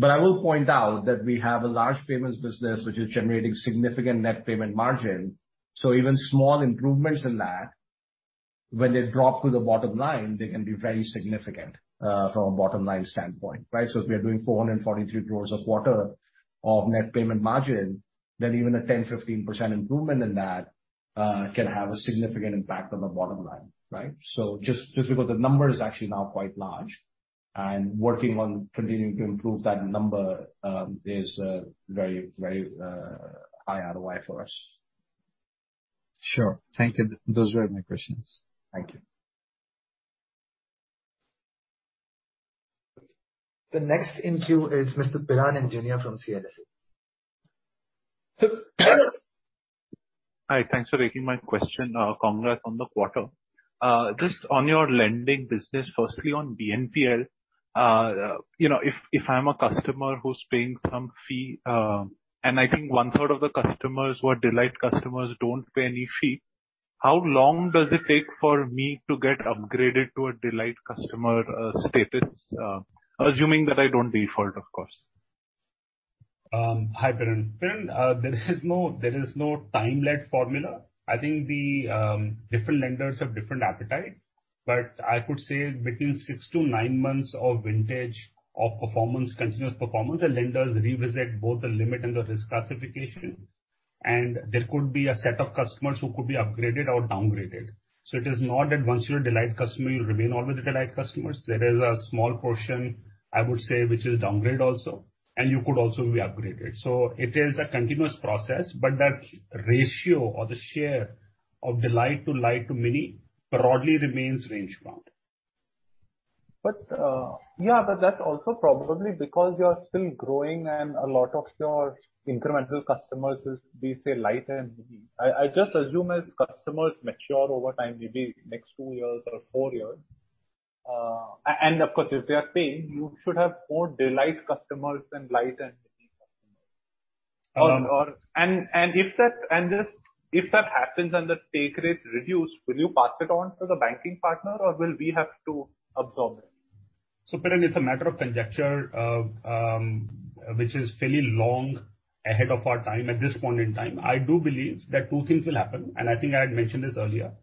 I will point out that we have a large payments business which is generating significant net payment margin, so even small improvements in that, when they drop to the bottom line, they can be very significant from a bottom line standpoint, right? If we are doing 443 crores for the quarter of net payment margin, then even a 10%-15% improvement in that can have a significant impact on the bottom line, right? Just because the number is actually now quite large. Working on continuing to improve that number is very high ROI for us. Sure. Thank you. Those were my questions. Thank you. The next in queue is Mr. Piran Engineer from CLSA. Hi. Thanks for taking my question. Congrats on the quarter. Just on your lending business, firstly on BNPL. You know, if I'm a customer who's paying some fee, and I think one third of the customers were delight customers don't pay any fee, how long does it take for me to get upgraded to a delight customer, status? Assuming that I don't default, of course. Hi, Piran. Piran, there is no time-led formula. I think different lenders have different appetite. I could say between six to nine months of vintage of performance, continuous performance, the lenders revisit both the limit and the risk classification. There could be a set of customers who could be upgraded or downgraded. It is not that once you're a delight customer, you remain always a delight customers. There is a small portion, I would say, which is downgrade also, and you could also be upgraded. It is a continuous process, but that ratio or the share of delight to light to mini broadly remains range bound. Yeah, but that's also probably because you are still growing and a lot of your incremental customers is, we say light and mini. I just assume as customers mature over time, maybe next two years or four years, and of course, if they are paying, you should have more delight customers than light and mini customers. Um- If that happens and the take rate reduce, will you pass it on to the banking partner or will we have to absorb it? Piran, it's a matter of conjecture, which is fairly long ahead of our time at this point in time. I do believe that two things will happen, and I think I had mentioned this earlier.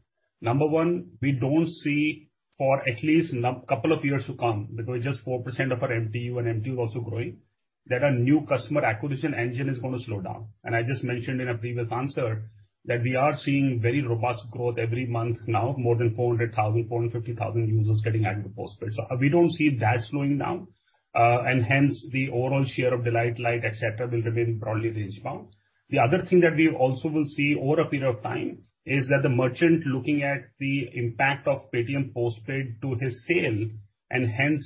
Number one, we don't see for at least couple of years to come, because we're just 4% of our MTU and MTU also growing, that our new customer acquisition engine is gonna slow down. I just mentioned in a previous answer that we are seeing very robust growth every month now, more than 400,000-450,000 users getting added to postpaid. We don't see that slowing down. Hence the overall share of delight, light, et cetera, will remain broadly range-bound. The other thing that we also will see over a period of time is that the merchant looking at the impact of Paytm Postpaid to his sale, and hence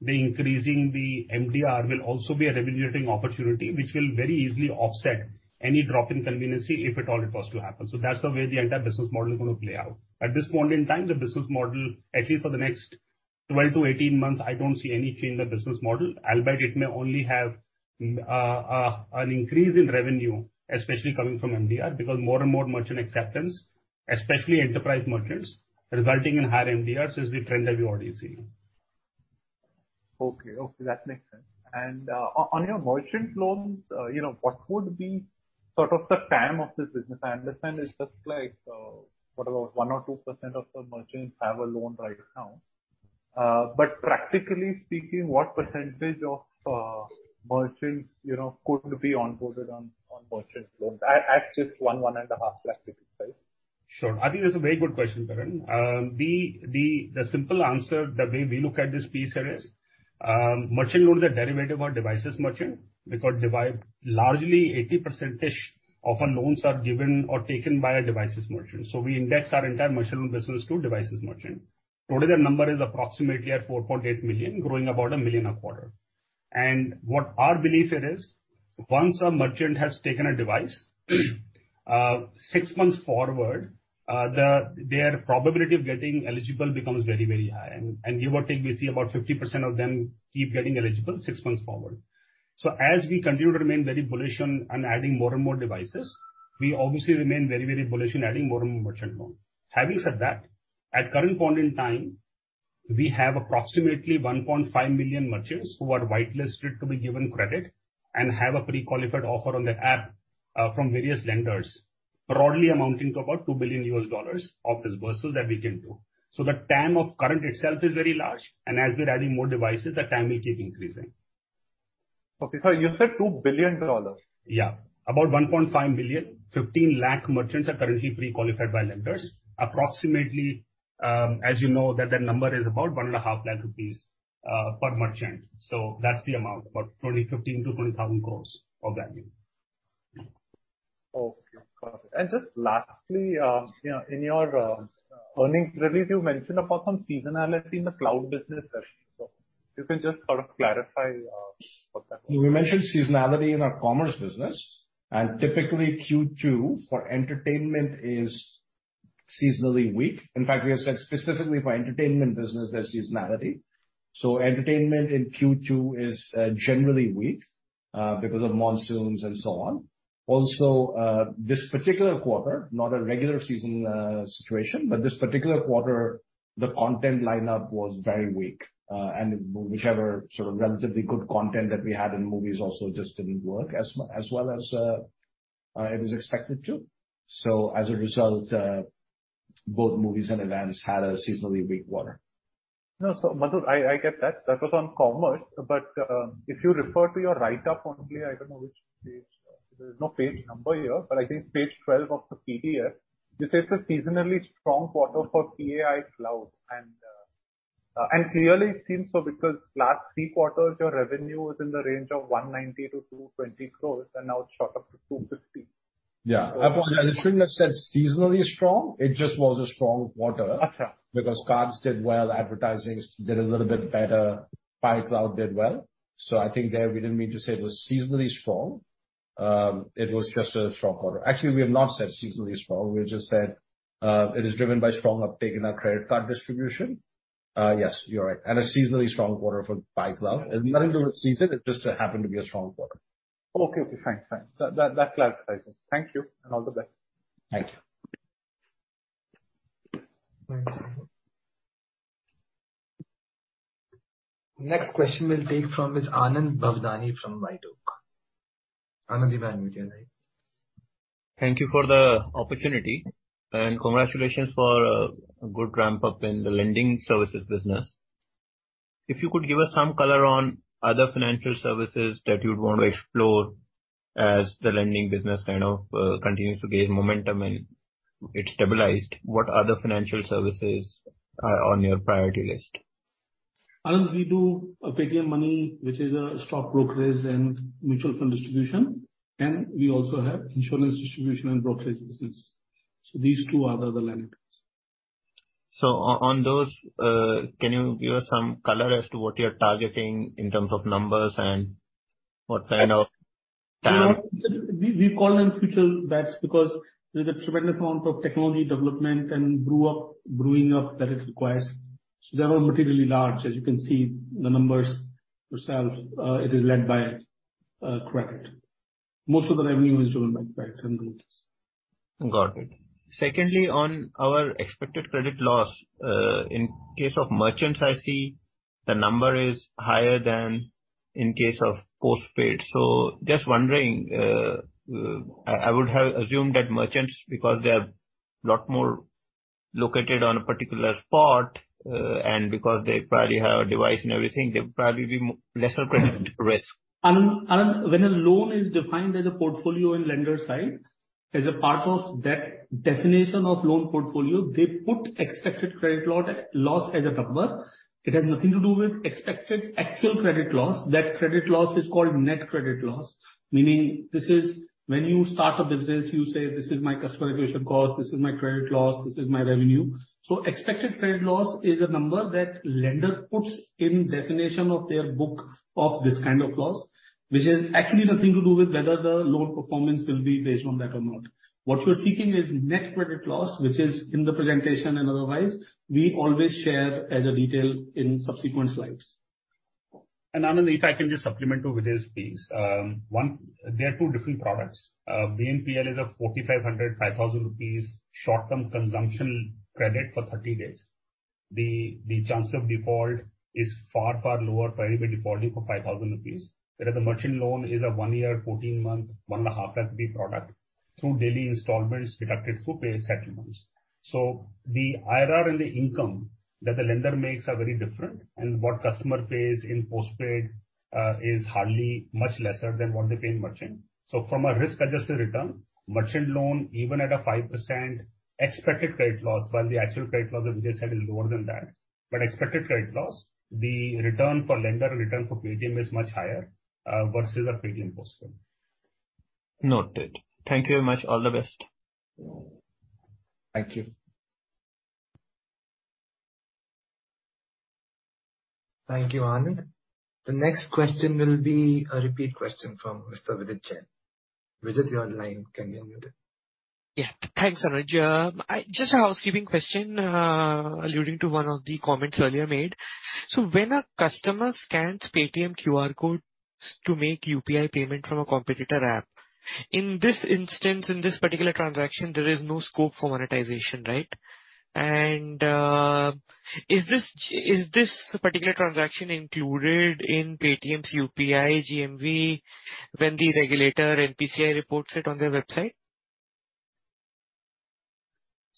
the increasing the MDR will also be a revenue-getting opportunity, which will very easily offset any drop in convenience if at all it was to happen. That's the way the entire business model is gonna play out. At this point in time, the business model, actually for the next 12-18 months, I don't see any change in the business model. Albeit it may only have an increase in revenue, especially coming from MDR, because more and more merchant acceptance, especially enterprise merchants, resulting in higher MDR, so it's the trend that we already seeing. Okay. Okay, that makes sense. On your merchant loans, you know, what would be sort of the TAM of this business? I understand it's just like, what, about 1% or 2% of the merchants have a loan right now. But practically speaking, what percentage of merchants, you know, could be onboarded on merchant loans? At just 1.5 lakh, right? Sure. I think that's a very good question, Piran. The simple answer, the way we look at this piece here is, merchant loans are derivative of devices merchant because largely 80%-ish of our loans are given or taken by our devices merchant. We index our entire merchant loan business to devices merchant. Today, their number is approximately at 4.8 million, growing about 1 million a quarter. What our belief here is, once a merchant has taken a device, six months forward, their probability of getting eligible becomes very, very high. Give or take, we see about 50% of them keep getting eligible six months forward. As we continue to remain very bullish on adding more and more devices, we obviously remain very, very bullish on adding more and more merchant loans. Having said that, at current point in time, we have approximately 1.5 million merchants who are whitelisted to be given credit and have a pre-qualified offer on the app, from various lenders, broadly amounting to about $2 billion of disbursements that we can do. The TAM of current itself is very large, and as we're adding more devices, the TAM will keep increasing. Okay. Sorry, you said $2 billion? About 1.5 million, 15 lakh merchants are currently pre-qualified by lenders. Approximately, as you know, that the number is about 1.5 lakh rupees per merchant. That's the amount, about 15,000 crore-20,000 crore of value. Okay, got it. Just lastly, you know, in your earnings release, you mentioned about some seasonality in the cloud business as well. If you can just sort of clarify what that was? We mentioned seasonality in our commerce business, and typically Q2 for entertainment is seasonally weak. In fact, we have said specifically for our entertainment business there's seasonality. Entertainment in Q2 is generally weak because of monsoons and so on. Also, this particular quarter, not a regular season situation, but this particular quarter, the content lineup was very weak. Whichever sort of relatively good content that we had in movies also just didn't work as well as it was expected to. As a result, both movies and events had a seasonally weak quarter. No. Madhur, I get that. That was on commerce. If you refer to your write-up only, I don't know which page. There's no page number here, but I think page 12 of the PDF, you said it's a seasonally strong quarter for Paytm Cloud. Clearly it seems so because last three quarters your revenue was in the range of 190-220 crores and now it shot up to 250 crores. Yeah. Upon that, it shouldn't have said seasonally strong. It just was a strong quarter. Okay. Because cards did well, advertising did a little bit better, Paytm Cloud did well. I think there we didn't mean to say it was seasonally strong. It was just a strong quarter. Actually, we have not said seasonally strong. We just said, it is driven by strong uptake in our credit card distribution. Yes, you're right. A seasonally strong quarter for Paytm Cloud. It's nothing to do with season, it just happened to be a strong quarter. Okay. Thanks. That clarifies it. Thank you, and all the best. Thank you. Thanks. Next question we'll take from Anand Bhavnani from White Oak. Anand Bhavnani, would you like? Thank you for the opportunity, and congratulations for a good ramp-up in the lending services business. If you could give us some color on other financial services that you'd want to explore as the lending business kind of continues to gain momentum and it stabilized, what other financial services are on your priority list? Anand, we do a Paytm Money, which is a stock brokerage and mutual fund distribution, and we also have insurance distribution and brokerage business. These two are the other lenders. On those, can you give us some color as to what you're targeting in terms of numbers and what kind of? We call them future bets because there's a tremendous amount of technology development and brewing up that it requires. They're all materially large. As you can see the numbers yourself, it is led by credit. Most of the revenue is driven by credit and loans. Got it. Secondly, on our expected credit loss, in case of merchants, I see the number is higher than in case of postpaid. So just wondering, I would have assumed that merchants, because they are a lot more located on a particular spot, and because they probably have a device and everything, they would probably be lesser credit risk? Anand, when a loan is defined as a portfolio in lender side, as a part of that definition of loan portfolio, they put expected credit loss as a number. It has nothing to do with expected actual credit loss. That credit loss is called net credit loss. Meaning, this is when you start a business, you say this is my customer acquisition cost, this is my credit loss, this is my revenue. Expected credit loss is a number that lender puts in definition of their book of this kind of loss, which has actually nothing to do with whether the loan performance will be based on that or not. What you're seeking is net credit loss, which is in the presentation and otherwise, we always share as a detail in subsequent slides. Anand Bhavnani, if I can just supplement to Vijay's please. They are two different products. BNPL is 4,500-5,000 rupees short-term consumption credit for 30 days. The chance of default is far far lower for anybody defaulting for 5,000 rupees. Whereas a merchant loan is a 1-year, 14-month, 1.5-year product through daily installments deducted through Paytm settlements. The IRR and the income that the lender makes are very different, and what customer pays in postpaid is hardly much lesser than what they pay in merchant. From a risk-adjusted return, merchant loan, even at a 5% expected credit loss, while the actual credit loss, as Vijay said, is lower than that, but expected credit loss, the return for lender, return for Paytm is much higher versus a Paytm Postpaid. Noted. Thank you very much. All the best. Thank you. Thank you, Anand. The next question will be a repeat question from Mr. Vijit Jain. Vijit, you're online. Can you unmute? Yeah. Thanks, Anuj. I just a housekeeping question, alluding to one of the comments earlier made. When a customer scans Paytm QR code to make UPI payment from a competitor app, in this instance, in this particular transaction, there is no scope for monetization, right? Is this particular transaction included in Paytm's UPI GMV when the regulator NPCI reports it on their website?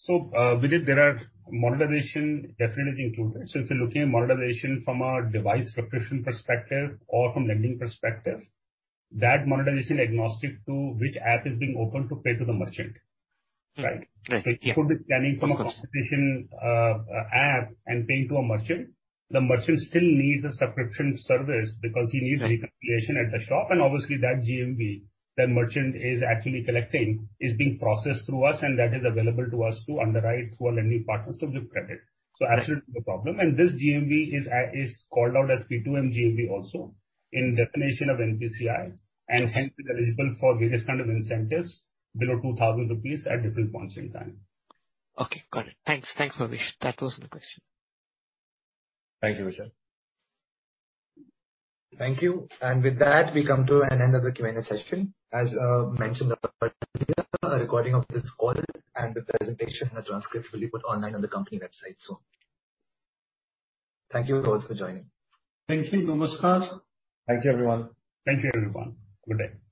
Vijit, there are monetization definitely included. If you're looking at monetization from a device subscription perspective or from lending perspective, that monetization agnostic to which app is being opened to pay to the merchant, right? Right. Yeah. You could be scanning from. Of course. A competition app and paying to a merchant. The merchant still needs a subscription service because he needs. Right. Reconciliation at the shop, and obviously that GMV that merchant is actually collecting is being processed through us and that is available to us to underwrite through our lending partners to give credit. Right. Absolutely no problem. This GMV is called out as P2M GMV also in definition of NPCI, and hence is eligible for various kinds of incentives below 2,000 rupees at different points in time. Okay. Got it. Thanks. Thanks, Manish. That was my question. Thank you, Vijit. Thank you. With that, we come to an end of the Q&A session. As mentioned earlier, a recording of this call and the presentation and a transcript will be put online on the company website soon. Thank you all for joining. Thank you. Namaskar. Thank you, everyone. Thank you, everyone. Good day.